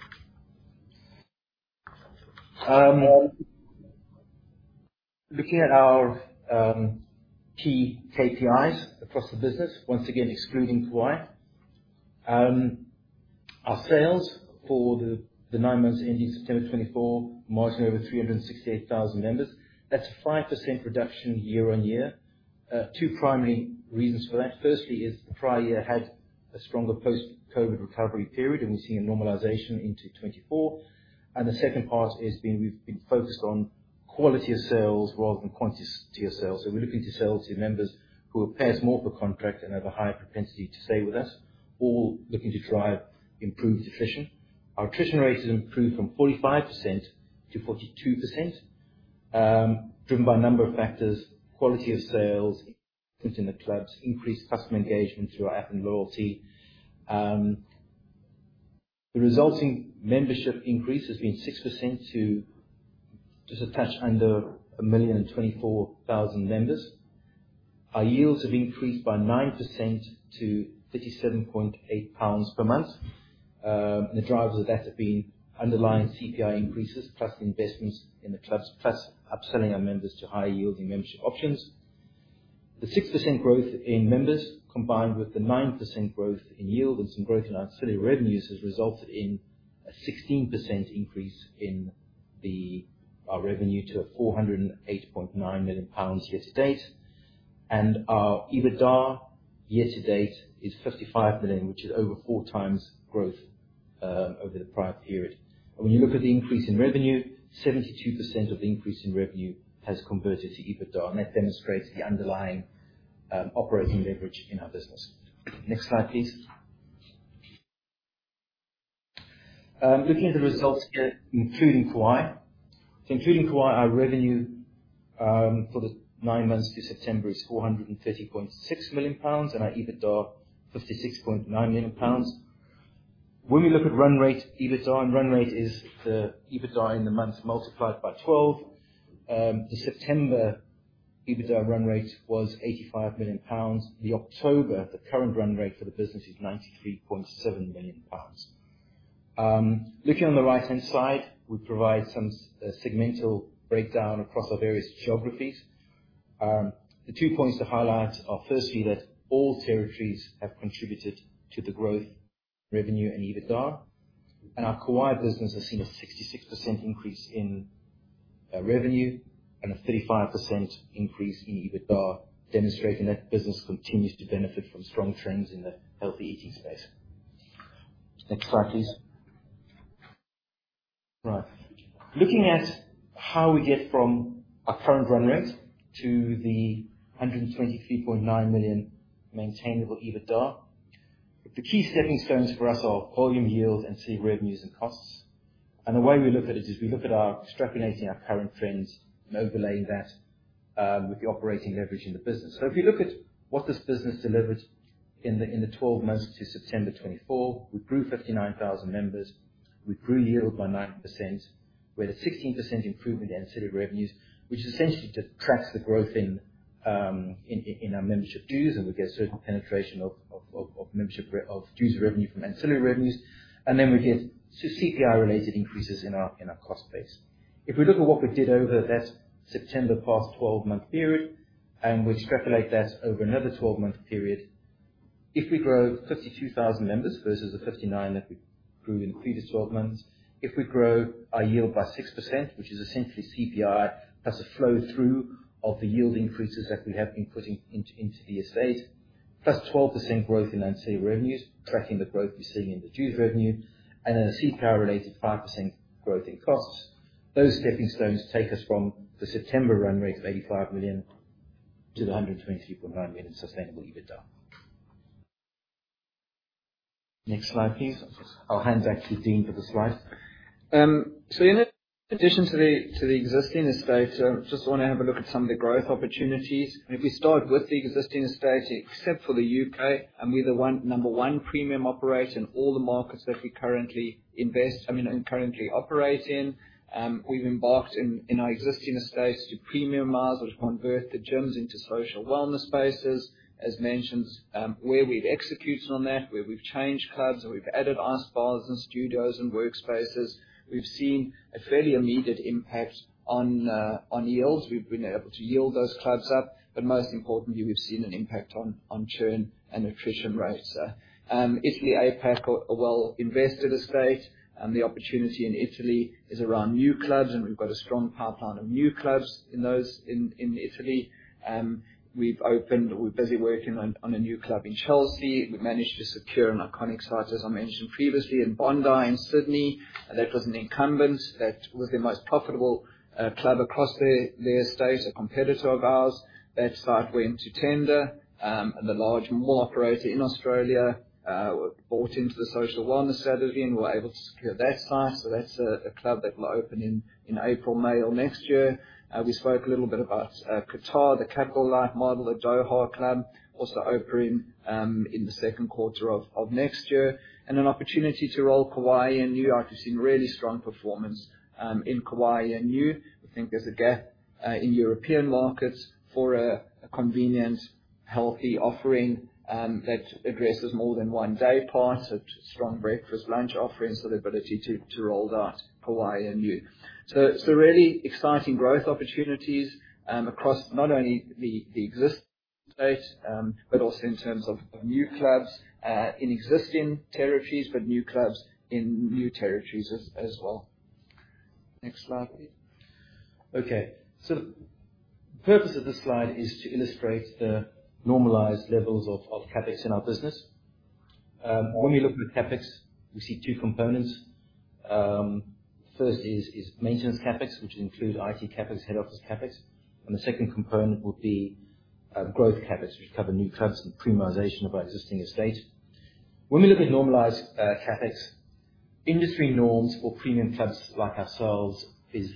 Looking at our key KPIs across the business, once again excluding Kauai, our sales for the nine months ending September 2024, membership over 368,000 members. That's a 5% reduction year-on-year. Two primary reasons for that. Firstly, as the prior year had a stronger post-COVID recovery period, and we've seen a normalization into 2024, and the second part has been we've been focused on quality of sales rather than quantity of sales, so we're looking to sell to members who pay more for contract and have a higher propensity to stay with us, all looking to drive improved attrition. Our attrition rate has improved from 45% to 42%, driven by a number of factors: quality of sales, increase in the clubs, increased customer engagement through our app and loyalty. The resulting membership increase has been 6% to just under a million and 24,000 members. Our yields have increased by 9% to £37.8 per month. The drivers of that have been underlying CPI increases plus investments in the clubs plus upselling our members to high-yielding membership options. The 6% growth in members combined with the 9% growth in yield and some growth in our city revenues has resulted in a 16% increase in our revenue to £408.9 million year-to-date. And our EBITDA year-to-date is £55 million, which is over four times growth over the prior period. And when you look at the increase in revenue, 72% of the increase in revenue has converted to EBITDA. And that demonstrates the underlying operating leverage in our business. Next slide, please. Looking at the results here, including Kauai. So including Kauai, our revenue for the nine months to September is £430.6 million and our EBITDA £56.9 million. When we look at run rate EBITDA and run rate is the EBITDA in the month multiplied by 12. The September EBITDA run rate was £85 million. The October, the current run rate for the business is £93.7 million. Looking on the right-hand side, we provide some segmental breakdown across our various geographies. The two points to highlight are firstly that all territories have contributed to the growth, revenue, and EBITDA, and our Kauai business has seen a 66% increase in revenue and a 35% increase in EBITDA, demonstrating that business continues to benefit from strong trends in the healthy eating space. Next slide, please. Right. Looking at how we get from our current run rate to the 123.9 million maintainable EBITDA, the key stepping stones for us are volume, yield, and site revenues and costs, and the way we look at it is we look at by extrapolating our current trends and overlaying that with the operating leverage in the business, so if you look at what this business delivered in the 12 months to September 2024, we grew 59,000 members. We grew yield by 9%. We had a 16% improvement in ancillary revenues, which essentially tracks the growth in our membership dues, and we get certain penetration of membership dues revenue from ancillary revenues, and then we get CPI-related increases in our cost base. If we look at what we did over that September past 12-month period, and we extrapolate that over another 12-month period, if we grow 52,000 members versus the 59 that we grew in the previous 12 months, if we grow our yield by 6%, which is essentially CPI plus a flow-through of the yield increases that we have been putting into the estate, plus 12% growth in ancillary revenues, tracking the growth we're seeing in the dues revenue, and then a CPI-related 5% growth in costs, those stepping stones take us from the September run rate of 85 million to the 123.9 million sustainable EBITDA. Next slide, please. I'll hand back to Dean for the slide. So in addition to the existing estate, I just want to have a look at some of the growth opportunities. If we start with the existing estate, except for the U.K., and we're the number one premium operator in all the markets that we currently invest I mean, currently operate in, we've embarked on premiumising our existing estate, which convert the gyms into social wellness spaces. As mentioned, where we've executed on that, where we've changed clubs, where we've added ice baths and studios and workspaces, we've seen a fairly immediate impact on yields. We've been able to yield those clubs up. But most importantly, we've seen an impact on churn and attrition rates. Italy, APAC, a well-invested estate. The opportunity in Italy is around new clubs, and we've got a strong pipeline of new clubs in Italy. We've opened or we're busy working on a new club in Chelsea. We managed to secure an iconic site, as I mentioned previously, in Bondi in Sydney. That was an incumbent. That was the most profitable club across their estate, a competitor of ours. That site went to tender, and the large mall operator in Australia bought into the social wellness strategy and were able to secure that site. So that's a club that will open in April, May of next year. We spoke a little bit about Qatar, the capital-light model, the Doha Club, also opening in the second quarter of next year. And an opportunity to roll Kauai and New York. We've seen really strong performance in Kauai and New. We think there's a gap in European markets for a convenient, healthy offering that addresses more than one-day part, a strong breakfast-lunch offering, so the ability to roll that Kauai and New, so really exciting growth opportunities across not only the existing estate, but also in terms of new clubs in existing territories, but new clubs in new territories as well. Next slide, please. Okay, so the purpose of this slide is to illustrate the normalized levels of CapEx in our business. When we look at CapEx, we see two components. First is maintenance CapEx, which would include IT CapEx, head office CapEx. And the second component would be growth CapEx, which would cover new clubs and premiumization of our existing estate. When we look at normalized CapEx, industry norms for premium clubs like ourselves is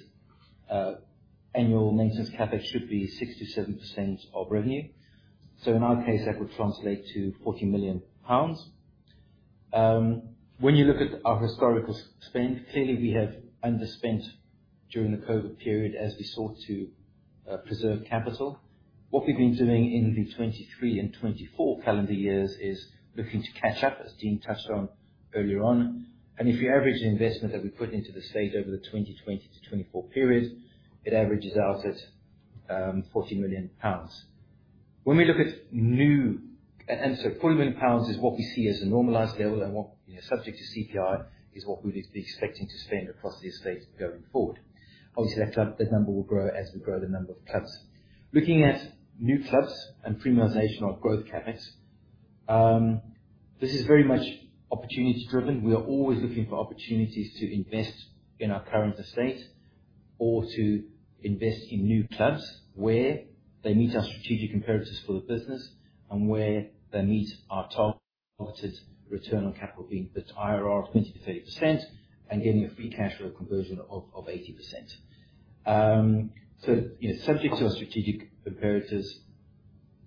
annual maintenance CapEx should be 6%-7% of revenue. So in our case, that would translate to 40 million pounds. When you look at our historical spend, clearly we have underspent during the COVID period as we sought to preserve capital. What we've been doing in the 2023 and 2024 calendar years is looking to catch up, as Dean touched on earlier on. And if you average the investment that we put into the estate over the 2020 to 2024 period, it averages out at 40 million pounds. When we look at new and so 40 million pounds is what we see as a normalized level, and subject to CPI is what we would be expecting to spend across the estate going forward. Obviously, that number will grow as we grow the number of clubs. Looking at new clubs and premiumisation on growth CapEx, this is very much opportunity-driven. We are always looking for opportunities to invest in our current estate or to invest in new clubs where they meet our strategic imperatives for the business and where they meet our targeted return on capital being the IRR of 20%-30% and getting a free cash flow conversion of 80%. So subject to our strategic imperatives,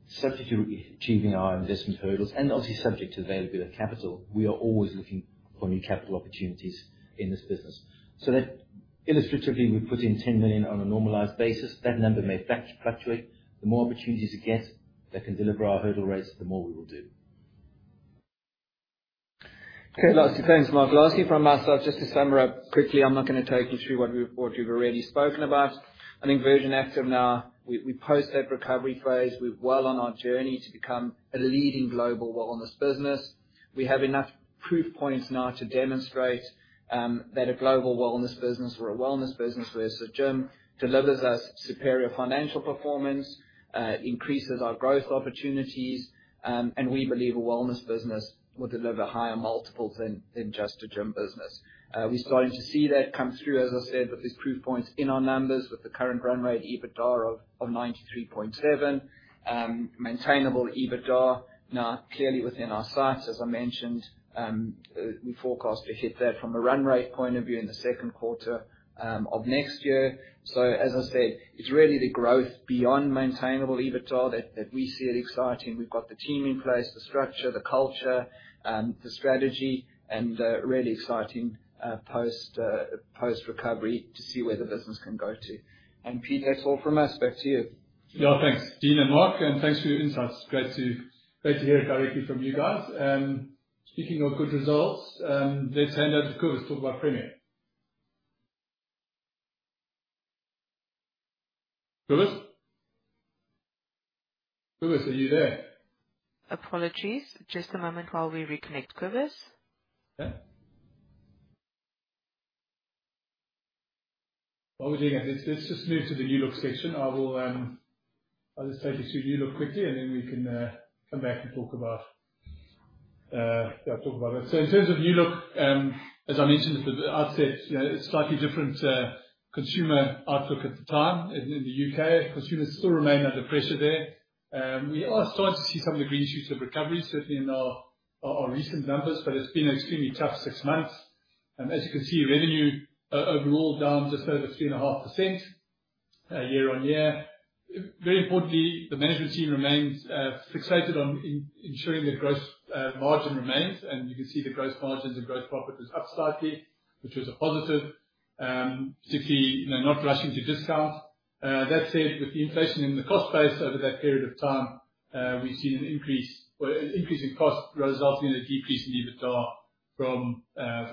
subject to achieving our investment hurdles, and obviously subject to availability of capital, we are always looking for new capital opportunities in this business. So illustratively, we put in 10 million on a normalized basis. That number may fluctuate. The more opportunities we get that can deliver our hurdle rates, the more we will do. Okay. Thanks, Mark. Lastly, from us, just to summarize quickly, I'm not going to take you through what we've already spoken about. I think Virgin Active to now, we post that recovery phase. We're well on our journey to become a leading global wellness business. We have enough proof points now to demonstrate that a global wellness business, or a wellness business where a gym delivers us superior financial performance, increases our growth opportunities, and we believe a wellness business will deliver higher multiples than just a gym business. We're starting to see that come through, as I said, with these proof points in our numbers, with the current run rate EBITDA of 93.7, maintainable EBITDA now clearly within our sights. As I mentioned, we forecast to hit that from a run rate point of view in the second quarter of next year. So as I said, it's really the growth beyond maintainable EBITDA that we see it exciting. We've got the team in place, the structure, the culture, the strategy, and really exciting post-recovery to see where the business can go to. And Pete, that's all from us. Back to you. Yeah. Thanks, Dean and Mark. And thanks for your insights. Great to hear it directly from you guys. Speaking of good results, let's hand over the Kobus talk about Premier. Kobus? Kobus, are you there? Apologies. Just a moment while we reconnect Kobus. Yeah. While we're doing that, let's just move to the New Look section. I'll just take you through New Look quickly, and then we can come back and talk about that. So in terms of New Look, as I mentioned, as I said, it's a slightly different consumer outlook at the time in the U.K. Consumers still remain under pressure there. We are starting to see some of the green shoots of recovery, certainly in our recent numbers, but it's been an extremely tough six months. As you can see, revenue overall down just over 3.5% year-on-year. Very importantly, the management team remains fixated on ensuring that gross margin remains, and you can see the gross margins and gross profit is up slightly, which was a positive, particularly not rushing to discount. That said, with the inflation in the cost base over that period of time, we've seen an increase in cost resulting in a decrease in EBITDA from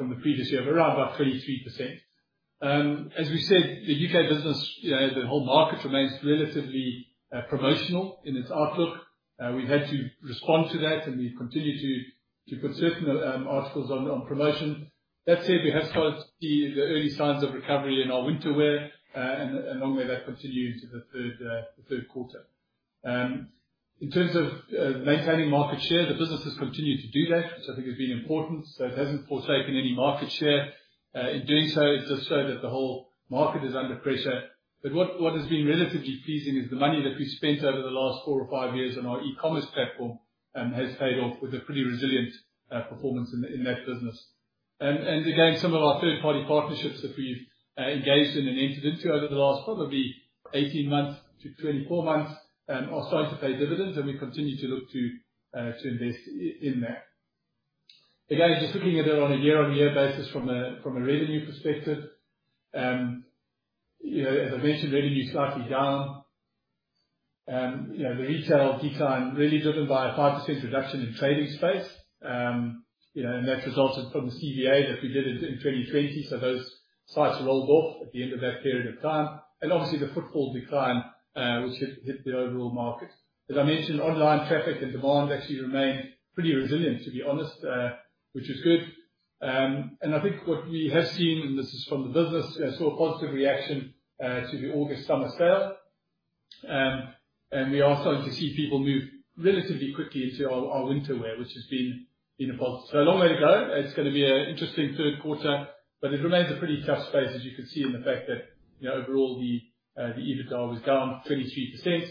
the previous year, around about 23%. As we said, the U.K. business, the whole market remains relatively promotional in its outlook. We've had to respond to that, and we've continued to put certain articles on promotion. That said, we have started to see the early signs of recovery in our winter wear, and along with that, continue into the third quarter. In terms of maintaining market share, the business has continued to do that, which I think has been important. So it hasn't forsaken any market share in doing so. It does show that the whole market is under pressure. But what has been relatively pleasing is the money that we've spent over the last four or five years on our e-commerce platform has paid off with a pretty resilient performance in that business. And again, some of our third-party partnerships that we've engaged in and entered into over the last probably 18 months to 24 months are starting to pay dividends, and we continue to look to invest in that. Again, just looking at it on a year-on-year basis from a revenue perspective, as I mentioned, revenue is slightly down. The retail decline is really driven by a 5% reduction in trading space, and that resulted from the CVA that we did in 2020. So those sites rolled off at the end of that period of time. Obviously, the footfall decline, which hit the overall market. As I mentioned, online traffic and demand actually remained pretty resilient, to be honest, which is good. I think what we have seen, and this is from the business, we saw a positive reaction to the August summer sale. We are starting to see people move relatively quickly into our winter wear, which has been a positive. A long way to go. It's going to be an interesting third quarter, but it remains a pretty tough space, as you can see in the fact that overall, the EBITDA was down 23%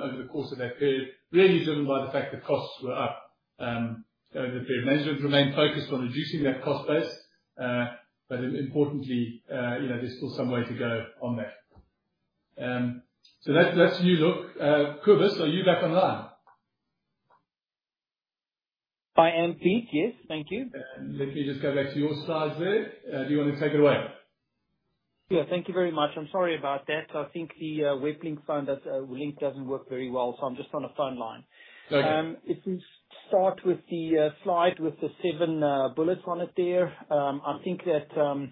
over the course of that period, really driven by the fact that costs were up over the period. Management remained focused on reducing that cost base, but importantly, there's still some way to go on that. That's New Look. Kobus, are you back online? I am, Pete. Yes. Thank you. Let me just go back to your slides there. Do you want to take it away? Yeah. Thank you very much. I'm sorry about that. I think the web link found that the link doesn't work very well, so I'm just on a phone line. Let's start with the slide with the seven bullets on it there. I think that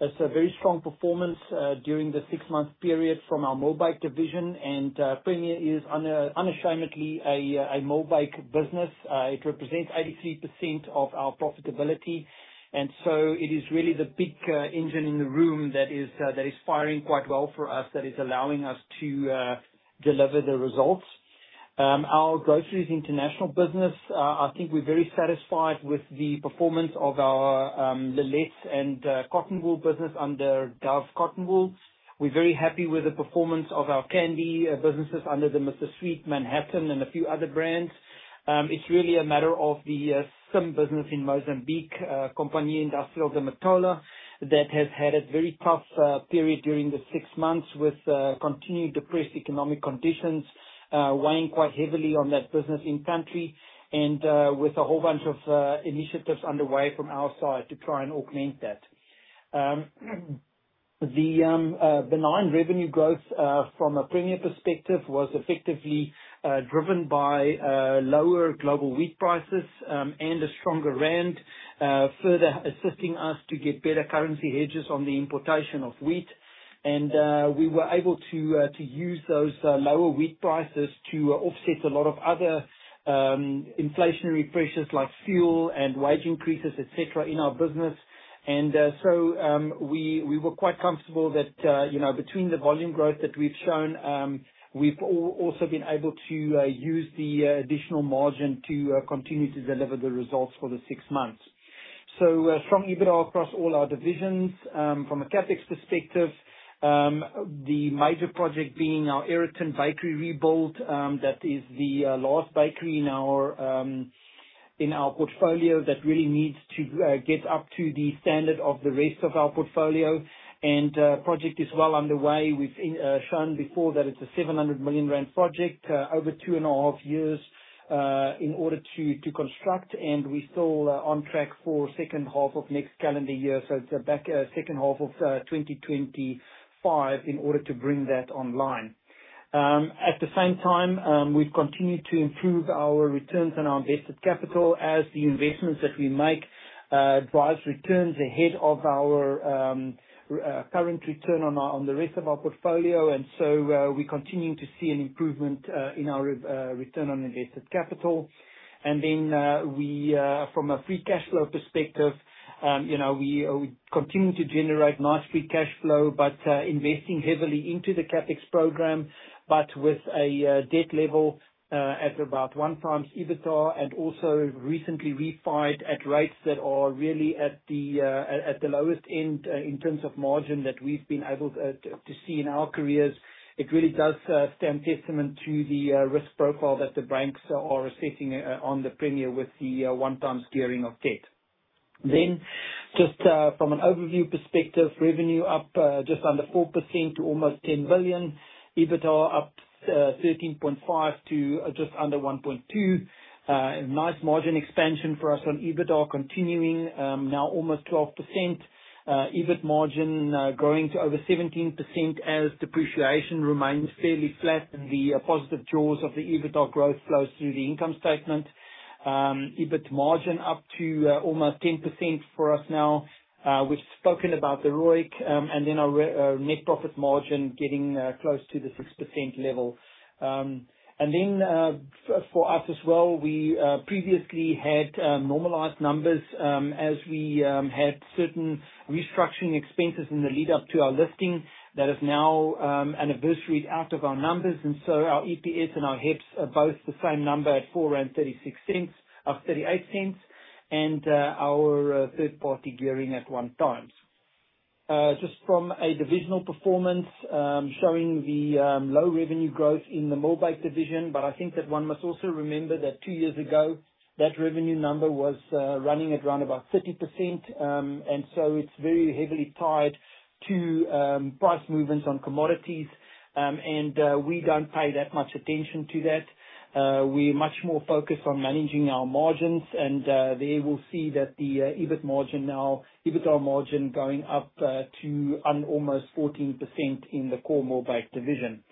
it's a very strong performance during the six-month period from our mobile division, and Premier is unashamedly a mobile business. It represents 83% of our profitability. So it is really the big engine in the room that is firing quite well for us, that is allowing us to deliver the results. Our groceries international business, I think we're very satisfied with the performance of our Lil-lets and cotton wool business under Dove Cotton Wool. We're very happy with the performance of our candy businesses under the Mr. Sweet, Manhattan, and a few other brands. It's really a matter of the CIM business in Mozambique, Companhia Industrial da Matola, that has had a very tough period during the six months with continued depressed economic conditions, weighing quite heavily on that business in country and with a whole bunch of initiatives underway from our side to try and augment that. The benign revenue growth from a Premier perspective was effectively driven by lower global wheat prices and a stronger rand, further assisting us to get better currency hedges on the importation of wheat, and we were able to use those lower wheat prices to offset a lot of other inflationary pressures like fuel and wage increases, etc., in our business. We were quite comfortable that between the volume growth that we've shown, we've also been able to use the additional margin to continue to deliver the results for the six months. So strong EBITDA across all our divisions. From a CapEx perspective, the major project being our Aeroton Bakery rebuild. That is the last bakery in our portfolio that really needs to get up to the standard of the rest of our portfolio. The project is well underway. We've shown before that it's a 700 million rand project over two and a half years in order to construct, and we're still on track for second half of next calendar year. So it's back second half of 2025 in order to bring that online. At the same time, we've continued to improve our returns and our invested capital as the investments that we make drive returns ahead of our current return on the rest of our portfolio. And so we're continuing to see an improvement in our return on invested capital. And then from a free cash flow perspective, we continue to generate nice free cash flow, but investing heavily into the CapEx program, but with a debt level at about one times EBITDA and also recently refinanced at rates that are really at the lowest end in terms of margin that we've been able to see in our careers. It really does stand testament to the risk profile that the banks are assessing on the Premier with the one times gearing of debt. Then just from an overview perspective, revenue up just under 4% to almost 10 billion. EBITDA up 13.5% to just under 1.2. Nice margin expansion for us on EBITDA continuing now almost 12%. EBIT margin growing to over 17% as depreciation remains fairly flat in the positive jaws of the EBITDA growth flows through the income statement. EBIT margin up to almost 10% for us now. We've spoken about the ROIC and then our net profit margin getting close to the 6% level, and then for us as well, we previously had normalized numbers as we had certain restructuring expenses in the lead-up to our listing. That is now anniversaried out of our numbers, and so our EPS and our HEPS are both the same number at 4.36 of 38 cents and our third-party gearing at one times. Just from a divisional performance showing the low revenue growth in the maize division, but I think that one must also remember that two years ago, that revenue number was running at around about 30%. And so it's very heavily tied to price movements on commodities, and we don't pay that much attention to that. We're much more focused on managing our margins, and there we'll see that the EBIT margin now, EBITDA margin going up to almost 14% in the core maize division.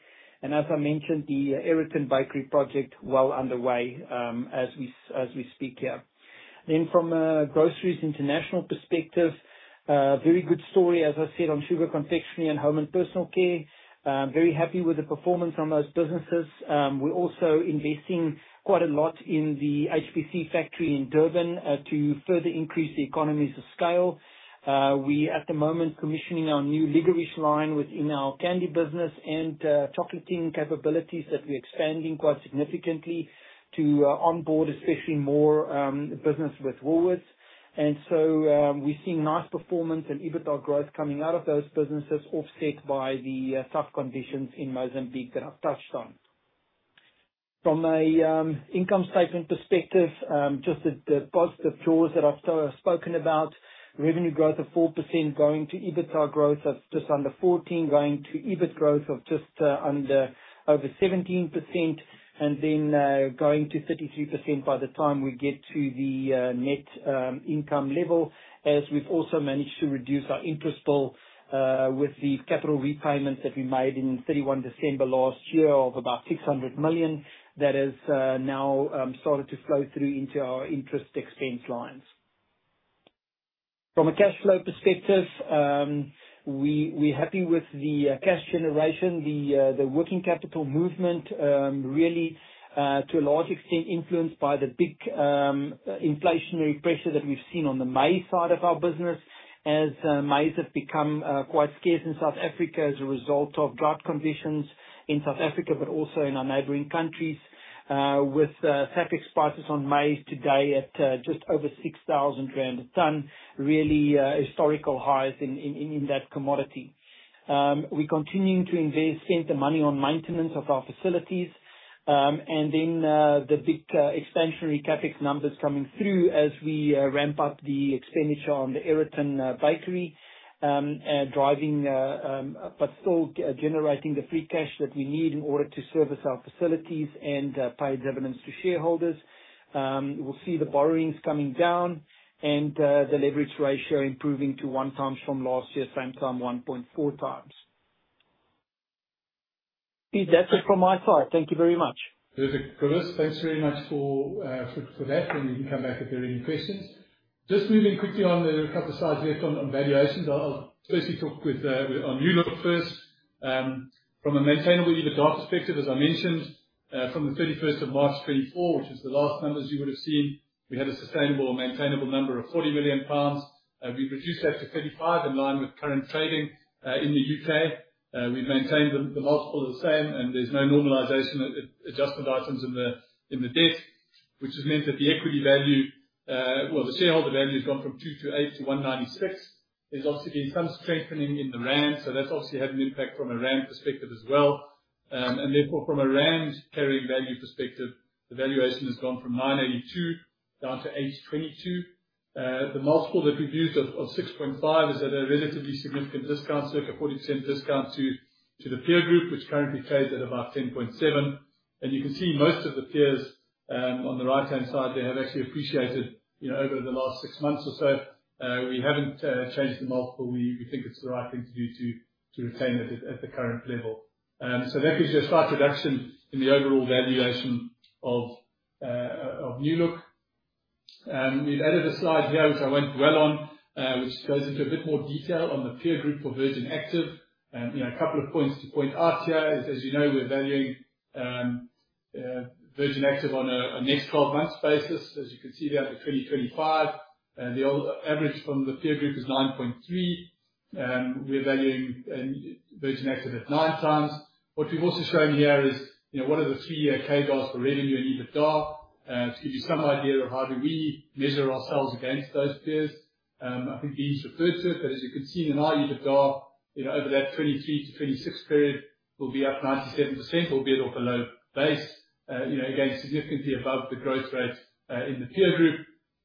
And as I mentioned, the Aeroton Bakery project well underway as we speak here. Then from a groceries international perspective, very good story, as I said, on sugar confectionery and home and personal care. Very happy with the performance on those businesses. We're also investing quite a lot in the HPC factory in Durban to further increase the economies of scale. We're at the moment commissioning our new licorice line within our candy business and chocolateing capabilities that we're expanding quite significantly to onboard especially more business with Woolworths. And so we're seeing nice performance and EBITDA growth coming out of those businesses offset by the tough conditions in Mozambique that I've touched on. From an income statement perspective, just the positive jaws that I've spoken about, revenue growth of 4% going to EBITDA growth of just under 14%, going to EBIT growth of just under over 17%, and then going to 33% by the time we get to the net income level as we've also managed to reduce our interest bill with the capital repayments that we made in 31 December last year of about 600 million that has now started to flow through into our interest expense lines. From a cash flow perspective, we're happy with the cash generation. The working capital movement really to a large extent influenced by the big inflationary pressure that we've seen on the maize side of our business as maize have become quite scarce in South Africa as a result of drought conditions in South Africa, but also in our neighbouring countries with SAFEX prices on maize today at just over 6,000 rand a tonne, really historical highs in that commodity. We're continuing to invest the money on maintenance of our facilities. Then the big expansionary CapEx numbers coming through as we ramp up the expenditure on the Aeroton Bakery, driving but still generating the free cash that we need in order to service our facilities and pay dividends to shareholders. We'll see the borrowings coming down and the leverage ratio improving to one times from last year, same time 1.4 times. Pete, that's it from my side. Thank you very much. Terrific. Kobus, thanks very much for that, and you can come back if there are any questions. Just moving quickly on the couple of slides left on valuations, I'll especially talk on New Look first. From a maintainable EBITDA perspective, as I mentioned, from the 31st of March 2024, which is the last numbers you would have seen, we had a sustainable and maintainable number of 40 million pounds. We've reduced that to 35 million in line with current trading in the U.K. We've maintained the multiple of the same, and there's no normalization adjustment items in the debt, which has meant that the equity value, well, the shareholder value has gone from 228 to 196. There's obviously been some strengthening in the rand, so that's obviously had an impact from a rand perspective as well. Therefore, from a rand carrying value perspective, the valuation has gone from 982 down to 822. The multiple that we've used of 6.5 is at a relatively significant discount, circa 40% discount to the peer group, which currently trades at about 10.7. And you can see most of the peers on the right-hand side, they have actually appreciated over the last six months or so. We haven't changed the multiple. We think it's the right thing to do to retain it at the current level. So that gives you a slight reduction in the overall valuation of New Look. We've added a slide here which I'll dwell on, which goes into a bit more detail on the peer group for Virgin Active. A couple of points to point out here. As you know, we're valuing Virgin Active on a next 12-month basis. As you can see there, the 2025, the average from the peer group is 9.3. We're valuing Virgin Active at nine times. What we've also shown here is what are the three-year CAGRs for revenue and EBITDA to give you some idea of how do we measure ourselves against those peers. I think Dean's referred to it, but as you can see in our EBITDA, over that 2023-2026 period, we'll be up 97%, albeit off a low base, again, significantly above the growth rate in the peer group.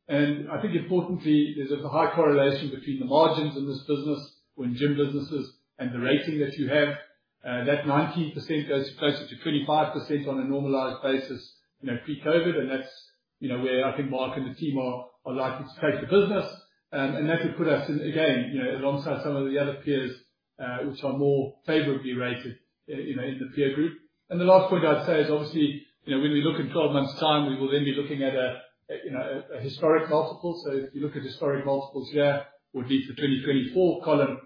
I think importantly, there's a high correlation between the margins in this business, when gym businesses and the rating that you have. That 19% goes closer to 25% on a normalized basis pre-COVID, and that's where I think Mark and the team are likely to take the business. That would put us in, again, alongside some of the other peers which are more favorably rated in the peer group. And the last point I'd say is obviously when we look in 12 months' time, we will then be looking at a historic multiple. So if you look at historic multiples here, we'll leave the 2024 column.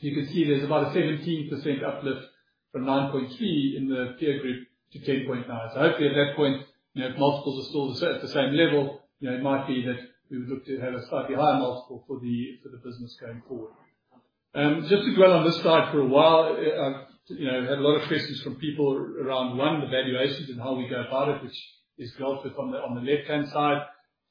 You can see there's about a 17% uplift from 9.3 in the peer group to 10.9. So hopefully at that point, if multiples are still at the same level, it might be that we would look to have a slightly higher multiple for the business going forward. Just to dwell on this slide for a while, I've had a lot of questions from people around, one, the valuations and how we go about it, which is Graph on the left-hand side.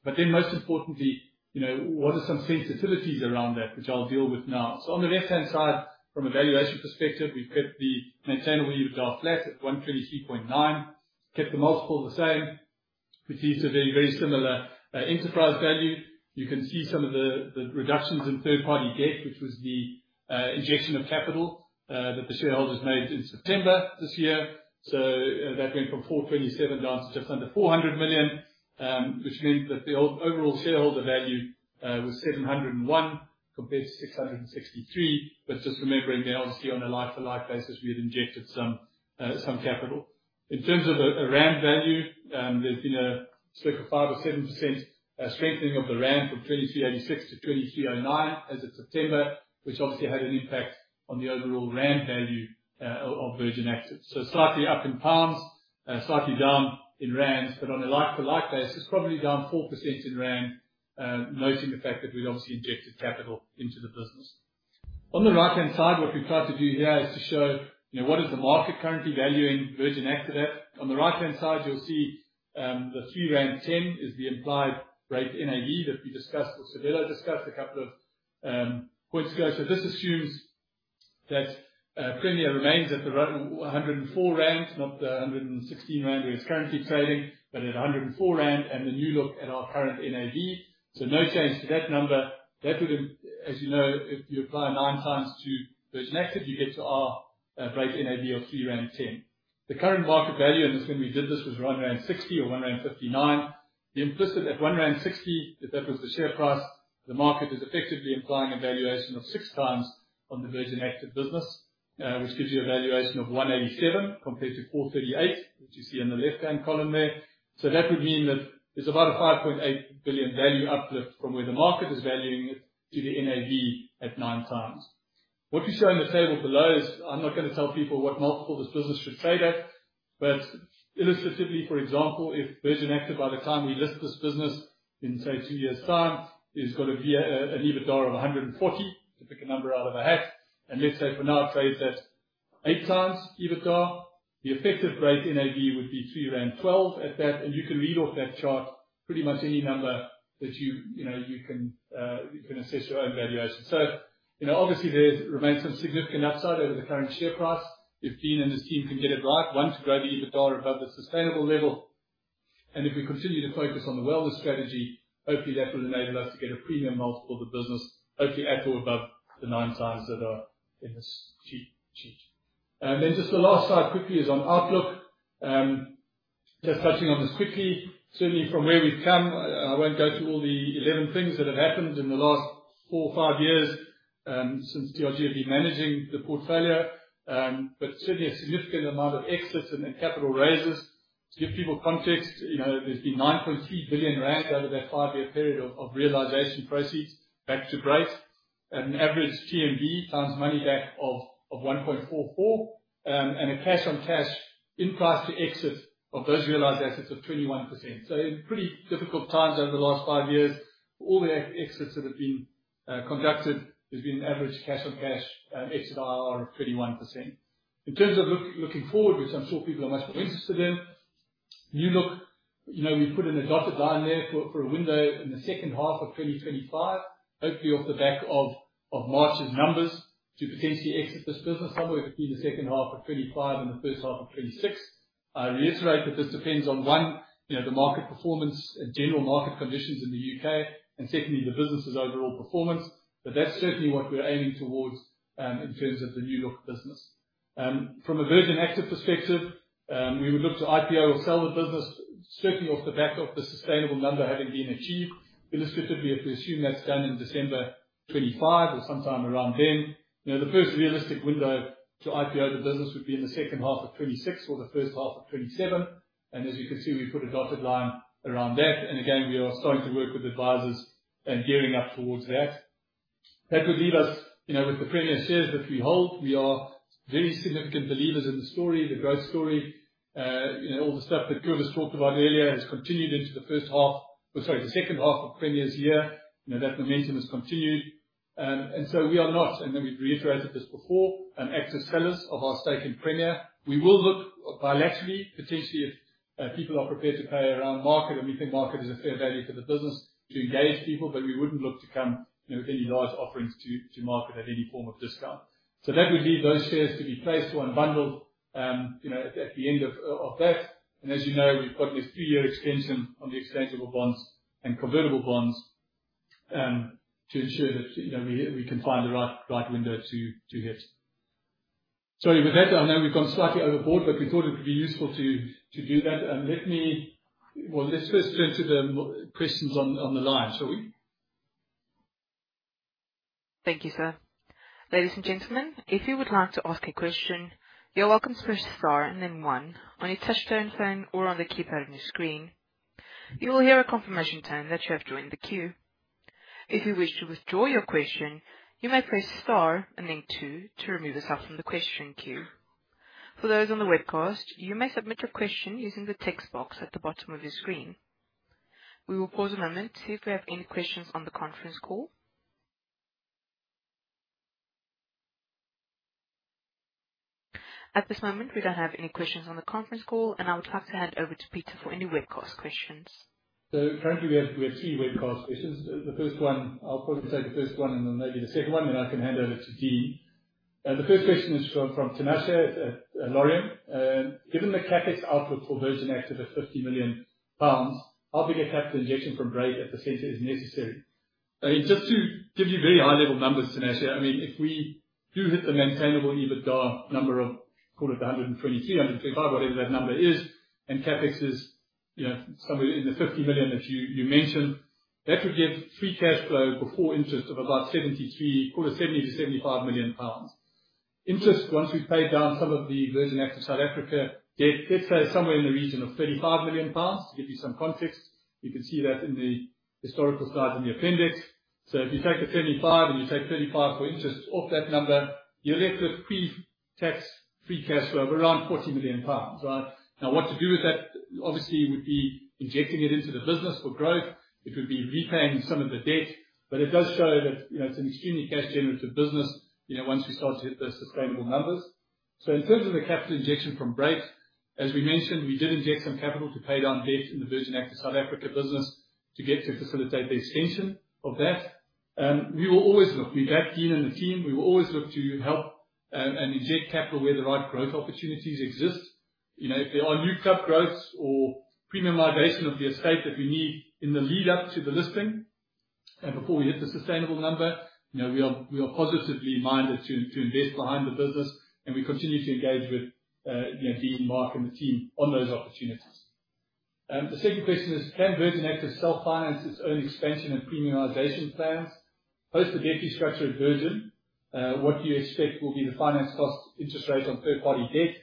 But then most importantly, what are some sensitivities around that, which I'll deal with now? So on the left-hand side, from a valuation perspective, we've kept the maintainable EBITDA flat at 123.9, kept the multiple the same, which leads to a very, very similar enterprise value. You can see some of the reductions in third-party debt, which was the injection of capital that the shareholders made in September this year. So that went from 427 million down to just under 400 million, which meant that the overall shareholder value was 701 million compared to 663 million, but just remembering that obviously on a like-to-like basis, we had injected some capital. In terms of a rand value, there's been a circa 5% or 7% strengthening of the rand from 2386 to 2309 as of September, which obviously had an impact on the overall rand value of Virgin Active. So slightly up in pounds, slightly down in rands, but on a like-for-like basis, probably down 4% in rand, noting the fact that we'd obviously injected capital into the business. On the right-hand side, what we've tried to do here is to show what is the market currently valuing Virgin Active at. On the right-hand side, you'll see the 3.10 rand is the implied NAV that we discussed, which Fedela discussed a couple of points ago. So this assumes that Premier remains at the 104 rand, not the 116 rand where it's currently trading, but at 104 rand and the New Look at our current NAV. So no change to that number. That would, as you know, if you apply nine times to Virgin Active, you get to our NAV of 3.10 rand. The current market value, and this when we did this was rand 1.60 or 1.59 rand. The implicit at 1.60 rand, if that was the share price, the market is effectively implying a valuation of six times on the Virgin Active business, which gives you a valuation of 187 compared to 438, which you see on the left-hand column there. So that would mean that there's about a 5.8 billion value uplift from where the market is valuing it to the NAV at nine times. What we show in the table below is I'm not going to tell people what multiple this business should trade at, but illustratively, for example, if Virgin Active by the time we list this business in, say, two years' time, has got an EBITDA of 140, to pick a number out of a hat, and let's say for now trades at eight times EBITDA, the effective rate NAV would be 3.12 rand at that. You can read off that chart pretty much any number that you can assess your own valuation. Obviously, there remains some significant upside over the current share price. If Dean and his team can get it right, one to grow the EBITDA above the sustainable level. And if we continue to focus on the wellness strategy, hopefully that will enable us to get a premium multiple of the business, hopefully at or above the nine times that are in this sheet. And then just the last slide quickly is on outlook. Just touching on this quickly, certainly from where we've come, I won't go through all the 11 things that have happened in the last four or five years since Georgia has been managing the portfolio, but certainly a significant amount of exits and capital raises. To give people context, there's been 9.3 billion rand over that five-year period of realization proceeds back to Brait. An average TMB times money back of 1.44 and a cash on cash in price to exit of those realized assets of 21%. So in pretty difficult times over the last five years, all the exits that have been conducted, there's been an average cash on cash exit IRR of 21%. In terms of looking forward, which I'm sure people are much more interested in, New Look, we've put in a dotted line there for a window in the second half of 2025, hopefully off the back of March's numbers to potentially exit this business somewhere between the second half of 2025 and the first half of 2026. I reiterate that this depends on, one, the market performance and general market conditions in the U.K., and secondly, the business's overall performance. But that's certainly what we're aiming towards in terms of the New Look business. From a Virgin Active perspective, we would look to IPO or sell the business, certainly off the back of the sustainable number having been achieved. Illustratively, if we assume that's done in December 2025 or sometime around then, the first realistic window to IPO the business would be in the second half of 2026 or the first half of 2027. And as you can see, we've put a dotted line around that. And again, we are starting to work with advisors and gearing up towards that. That would leave us with the Premier shares that we hold. We are very significant believers in the story, the growth story. All the stuff that Kobus talked about earlier has continued into the first half, sorry, the second half of Premier's year. That momentum has continued. And so we are not, and we've reiterated this before, active sellers of our stake in Premier. We will look bilaterally, potentially if people are prepared to pay around market and we think market is a fair value for the business to engage people, but we wouldn't look to come with any large offerings to market at any form of discount. So that would leave those shares to be placed or unbundled at the end of that. And as you know, we've got this three-year extension on the exchangeable bonds and convertible bonds to ensure that we can find the right window to hit. Sorry, with that, I know we've gone slightly overboard, but we thought it would be useful to do that. And let's first turn to the questions on the line, shall we? Thank you, sir. Ladies and gentlemen, if you would like to ask a question, you're welcome to press star and then 1 on your touchtone phone or on the keypad on your screen. You will hear a confirmation tone that you have joined the queue. If you wish to withdraw your question, you may press star and then 2 to remove yourself from the question queue. For those on the webcast, you may submit your question using the text box at the bottom of your screen. We will pause a moment to see if we have any questions on the conference call. At this moment, we don't have any questions on the conference call, and I would like to hand over to Peter for any webcast questions, so currently we have three webcast questions. The first one, I'll probably take the first one and then maybe the second one, then I can hand over to Dean. The first question is from Tinashe at Laurium. Given the CapEx outlook for Virgin Active at £50 million, how big a capital injection from Brait at the center is necessary? Just to give you very high-level numbers, Tinashe, I mean, if we do hit the maintainable EBITDA number of, call it the 123, 125, whatever that number is, and CapEx is somewhere in the £50 million that you mentioned, that would give free cash flow before interest of about £73, call it £70-£75 million. Interest, once we've paid down some of the Virgin Active South Africa debt, let's say somewhere in the region of £35 million, to give you some context, you can see that in the historical slides in the appendix. So if you take the 75 and you take 35 for interest off that number, you're left with pre-tax free cash flow of around 40 million pounds, right? Now, what to do with that, obviously, would be injecting it into the business for growth. It would be repaying some of the debt, but it does show that it's an extremely cash-generative business once we start to hit those sustainable numbers. So in terms of the capital injection from Brait, as we mentioned, we did inject some capital to pay down debt in the Virgin Active South Africa business to get to facilitate the extension of that. We will always look, we, Dean and the team, we will always look to help and inject capital where the right growth opportunities exist. If there are new cut growths or premium migration of the estate that we need in the lead-up to the listing and before we hit the sustainable number, we are positively minded to invest behind the business, and we continue to engage with Dean, Mark, and the team on those opportunities. The second question is, can Virgin Active self-finance its own expansion and premiumisation plans post the debt restructure at Virgin? What do you expect will be the finance cost interest rate on third-party debt?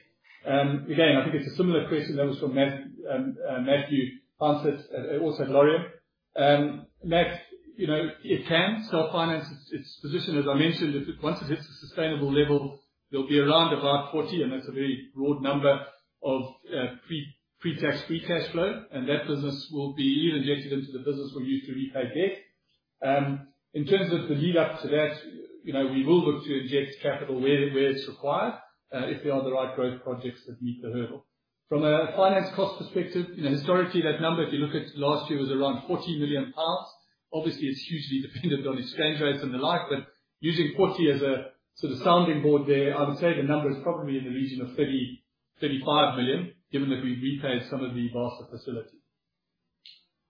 Again, I think it's a similar question that was from Matthew Panzer, also at Laurium. Matt, it can self-finance its position, as I mentioned. Once it hits a sustainable level, there'll be around about 40, and that's a very broad number of pre-tax free cash flow, and that business will be either injected into the business we're used to repay debt. In terms of the lead-up to that, we will look to inject capital where it's required if there are the right growth projects that meet the hurdle. From a finance cost perspective, historically, that number, if you look at last year, was around 40 million pounds. Obviously, it's hugely dependent on its interest rates and the like, but using 40 as a sort of sounding board there, I would say the number is probably in the region of 35 million, given that we've repaid some of the RCF.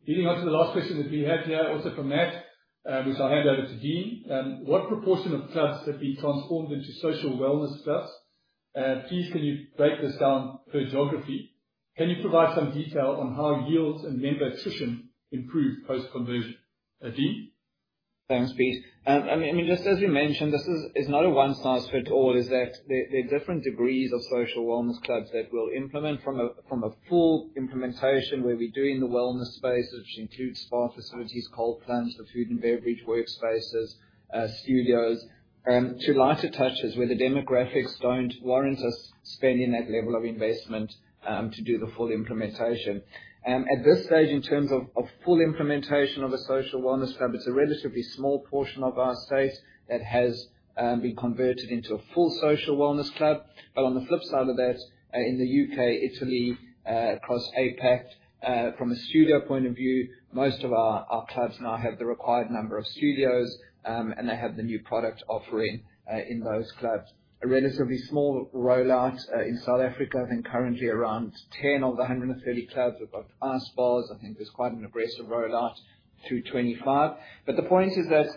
Leading on to the last question that we have here, also from Matt, which I'll hand over to Dean. What proportion of clubs have been transformed into social wellness clubs? Please, can you break this down per geography? Can you provide some detail on how yields and member attrition improve post-conversion? Dean? Thanks, Pete. I mean, just as we mentioned, this is not a one-size-fits-all. There are different degrees of social wellness clubs that we'll implement from a full implementation where we do in the wellness space, which includes spa facilities, cold plunges, the food and beverage workspaces, studios, to lighter touches where the demographics don't warrant us spending that level of investment to do the full implementation. At this stage, in terms of full implementation of a social wellness club, it's a relatively small portion of our estate that has been converted into a full social wellness club. But on the flip side of that, in the U.K., Italy, across APAC, from a studio point of view, most of our clubs now have the required number of studios, and they have the new product offering in those clubs. A relatively small rollout in South Africa. I think currently around 10 of the 130 clubs have got ice bars. I think there's quite an aggressive rollout through 2025. But the point is that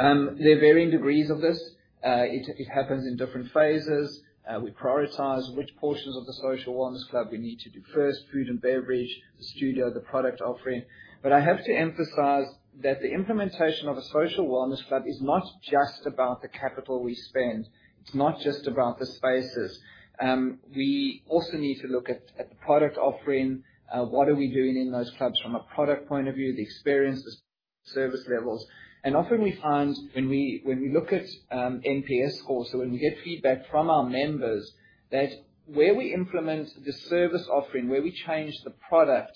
there are varying degrees of this. It happens in different phases. We prioritise which portions of the social wellness club we need to do first: food and beverage, the studio, the product offering. But I have to emphasise that the implementation of a social wellness club is not just about the capital we spend. It's not just about the spaces. We also need to look at the product offering. What are we doing in those clubs from a product point of view, the experience, the service levels? Often we find when we look at NPS scores, so when we get feedback from our members, that where we implement the service offering, where we change the product,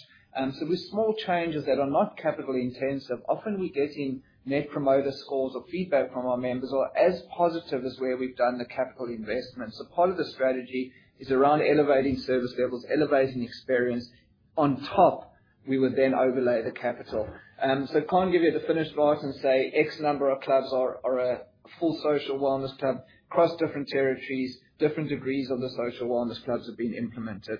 so with small changes that are not capital-intensive, often we get in net promoter scores or feedback from our members are as positive as where we've done the capital investment. So part of the strategy is around elevating service levels, elevating experience. On top, we would then overlay the capital. So can't give you the finished right and say X number of clubs are a full social wellness club across different territories, different degrees of the social wellness clubs have been implemented.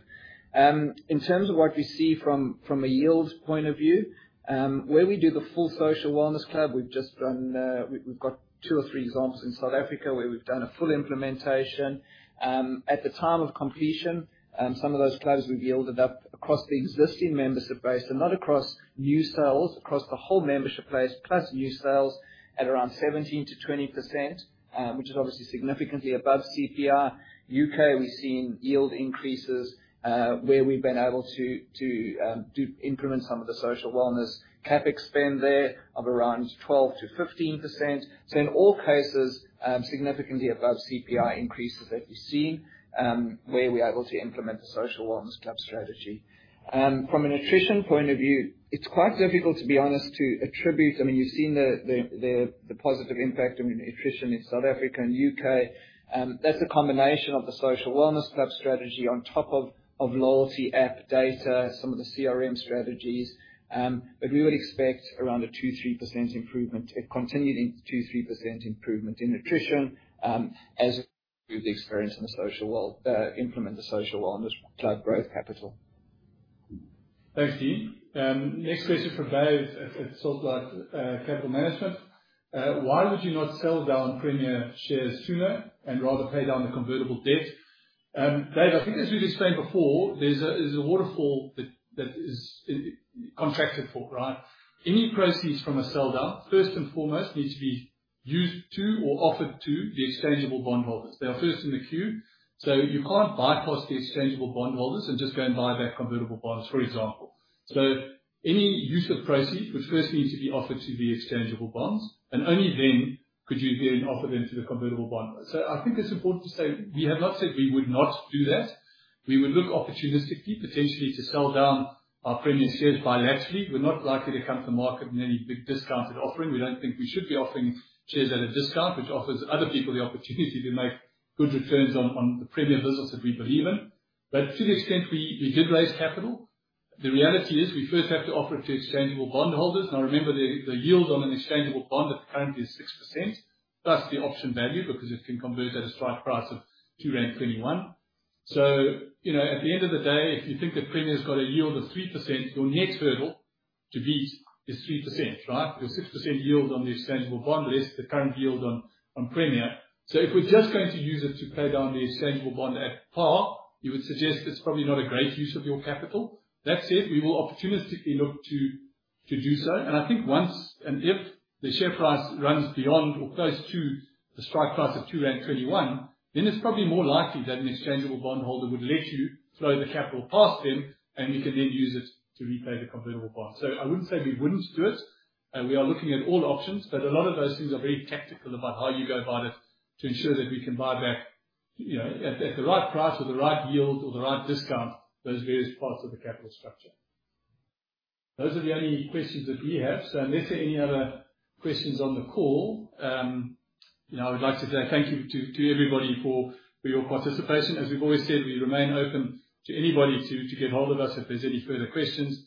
In terms of what we see from a yield point of view, where we do the full social wellness club, we've got two or three examples in South Africa where we've done a full implementation. At the time of completion, some of those clubs we've yielded up across the existing membership base and not across new sales, across the whole membership base plus new sales at around 17%-20%, which is obviously significantly above CPI. In the U.K., we've seen yield increases where we've been able to implement some of the social wellness. CapEx spend there of around 12%-15%. So in all cases, significantly above CPI increases that we've seen where we are able to implement the social wellness club strategy. From an attrition point of view, it's quite difficult, to be honest, to attribute. I mean, you've seen the positive impact of attrition in South Africa and U.K. That's a combination of the social wellness club strategy on top of loyalty app data, some of the CRM strategies. But we would expect around a 2-3% improvement, a continued 2-3% improvement in attrition as we improve the experience and implement the social wellness club growth capital. Thanks, Dean. Next question for Dave at Saltlight Capital Management. Why would you not sell down Premier shares sooner and rather pay down the convertible debt? Dave, I think as we've explained before, there's a waterfall that is contracted for, right? Any proceeds from a sell down, first and foremost, need to be used to or offered to the exchangeable bondholders. They are first in the queue. So you can't bypass the exchangeable bondholders and just go and buy back convertible bonds, for example. So any use of proceeds would first need to be offered to the exchangeable bonds, and only then could you then offer them to the convertible bond. So I think it's important to say we have not said we would not do that. We would look opportunistically, potentially to sell down our Premier shares bilaterally. We're not likely to come to market in any big discounted offering. We don't think we should be offering shares at a discount, which offers other people the opportunity to make good returns on the Premier business that we believe in. But to the extent we did raise capital, the reality is we first have to offer it to exchangeable bondholders. Now, remember the yield on an exchangeable bond at the current is 6%, plus the option value because it can convert at a strike price of GBP 2.21. So at the end of the day, if you think that Premier's got a yield of 3%, your net hurdle to beat is 3%, right? Your 6% yield on the exchangeable bond less the current yield on Premier. So if we're just going to use it to pay down the exchangeable bond at par, you would suggest it's probably not a great use of your capital. That said, we will opportunistically look to do so. And I think once and if the share price runs beyond or close to the strike price of 2.21, then it's probably more likely that an exchangeable bondholder would let you throw the capital past them, and you can then use it to repay the convertible bond. So I wouldn't say we wouldn't do it. We are looking at all options, but a lot of those things are very tactical about how you go about it to ensure that we can buy back at the right price or the right yield or the right discount those various parts of the capital structure. Those are the only questions that we have. So unless there are any other questions on the call, I would like to say thank you to everybody for your participation. As we've always said, we remain open to anybody to get hold of us if there's any further questions.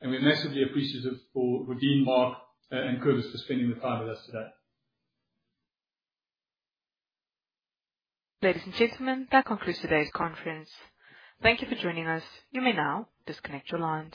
And we're massively appreciative for Dean, Mark, and Kobus for spending the time with us today. Ladies and gentlemen, that concludes today's conference. Thank you for joining us. You may now disconnect your lines.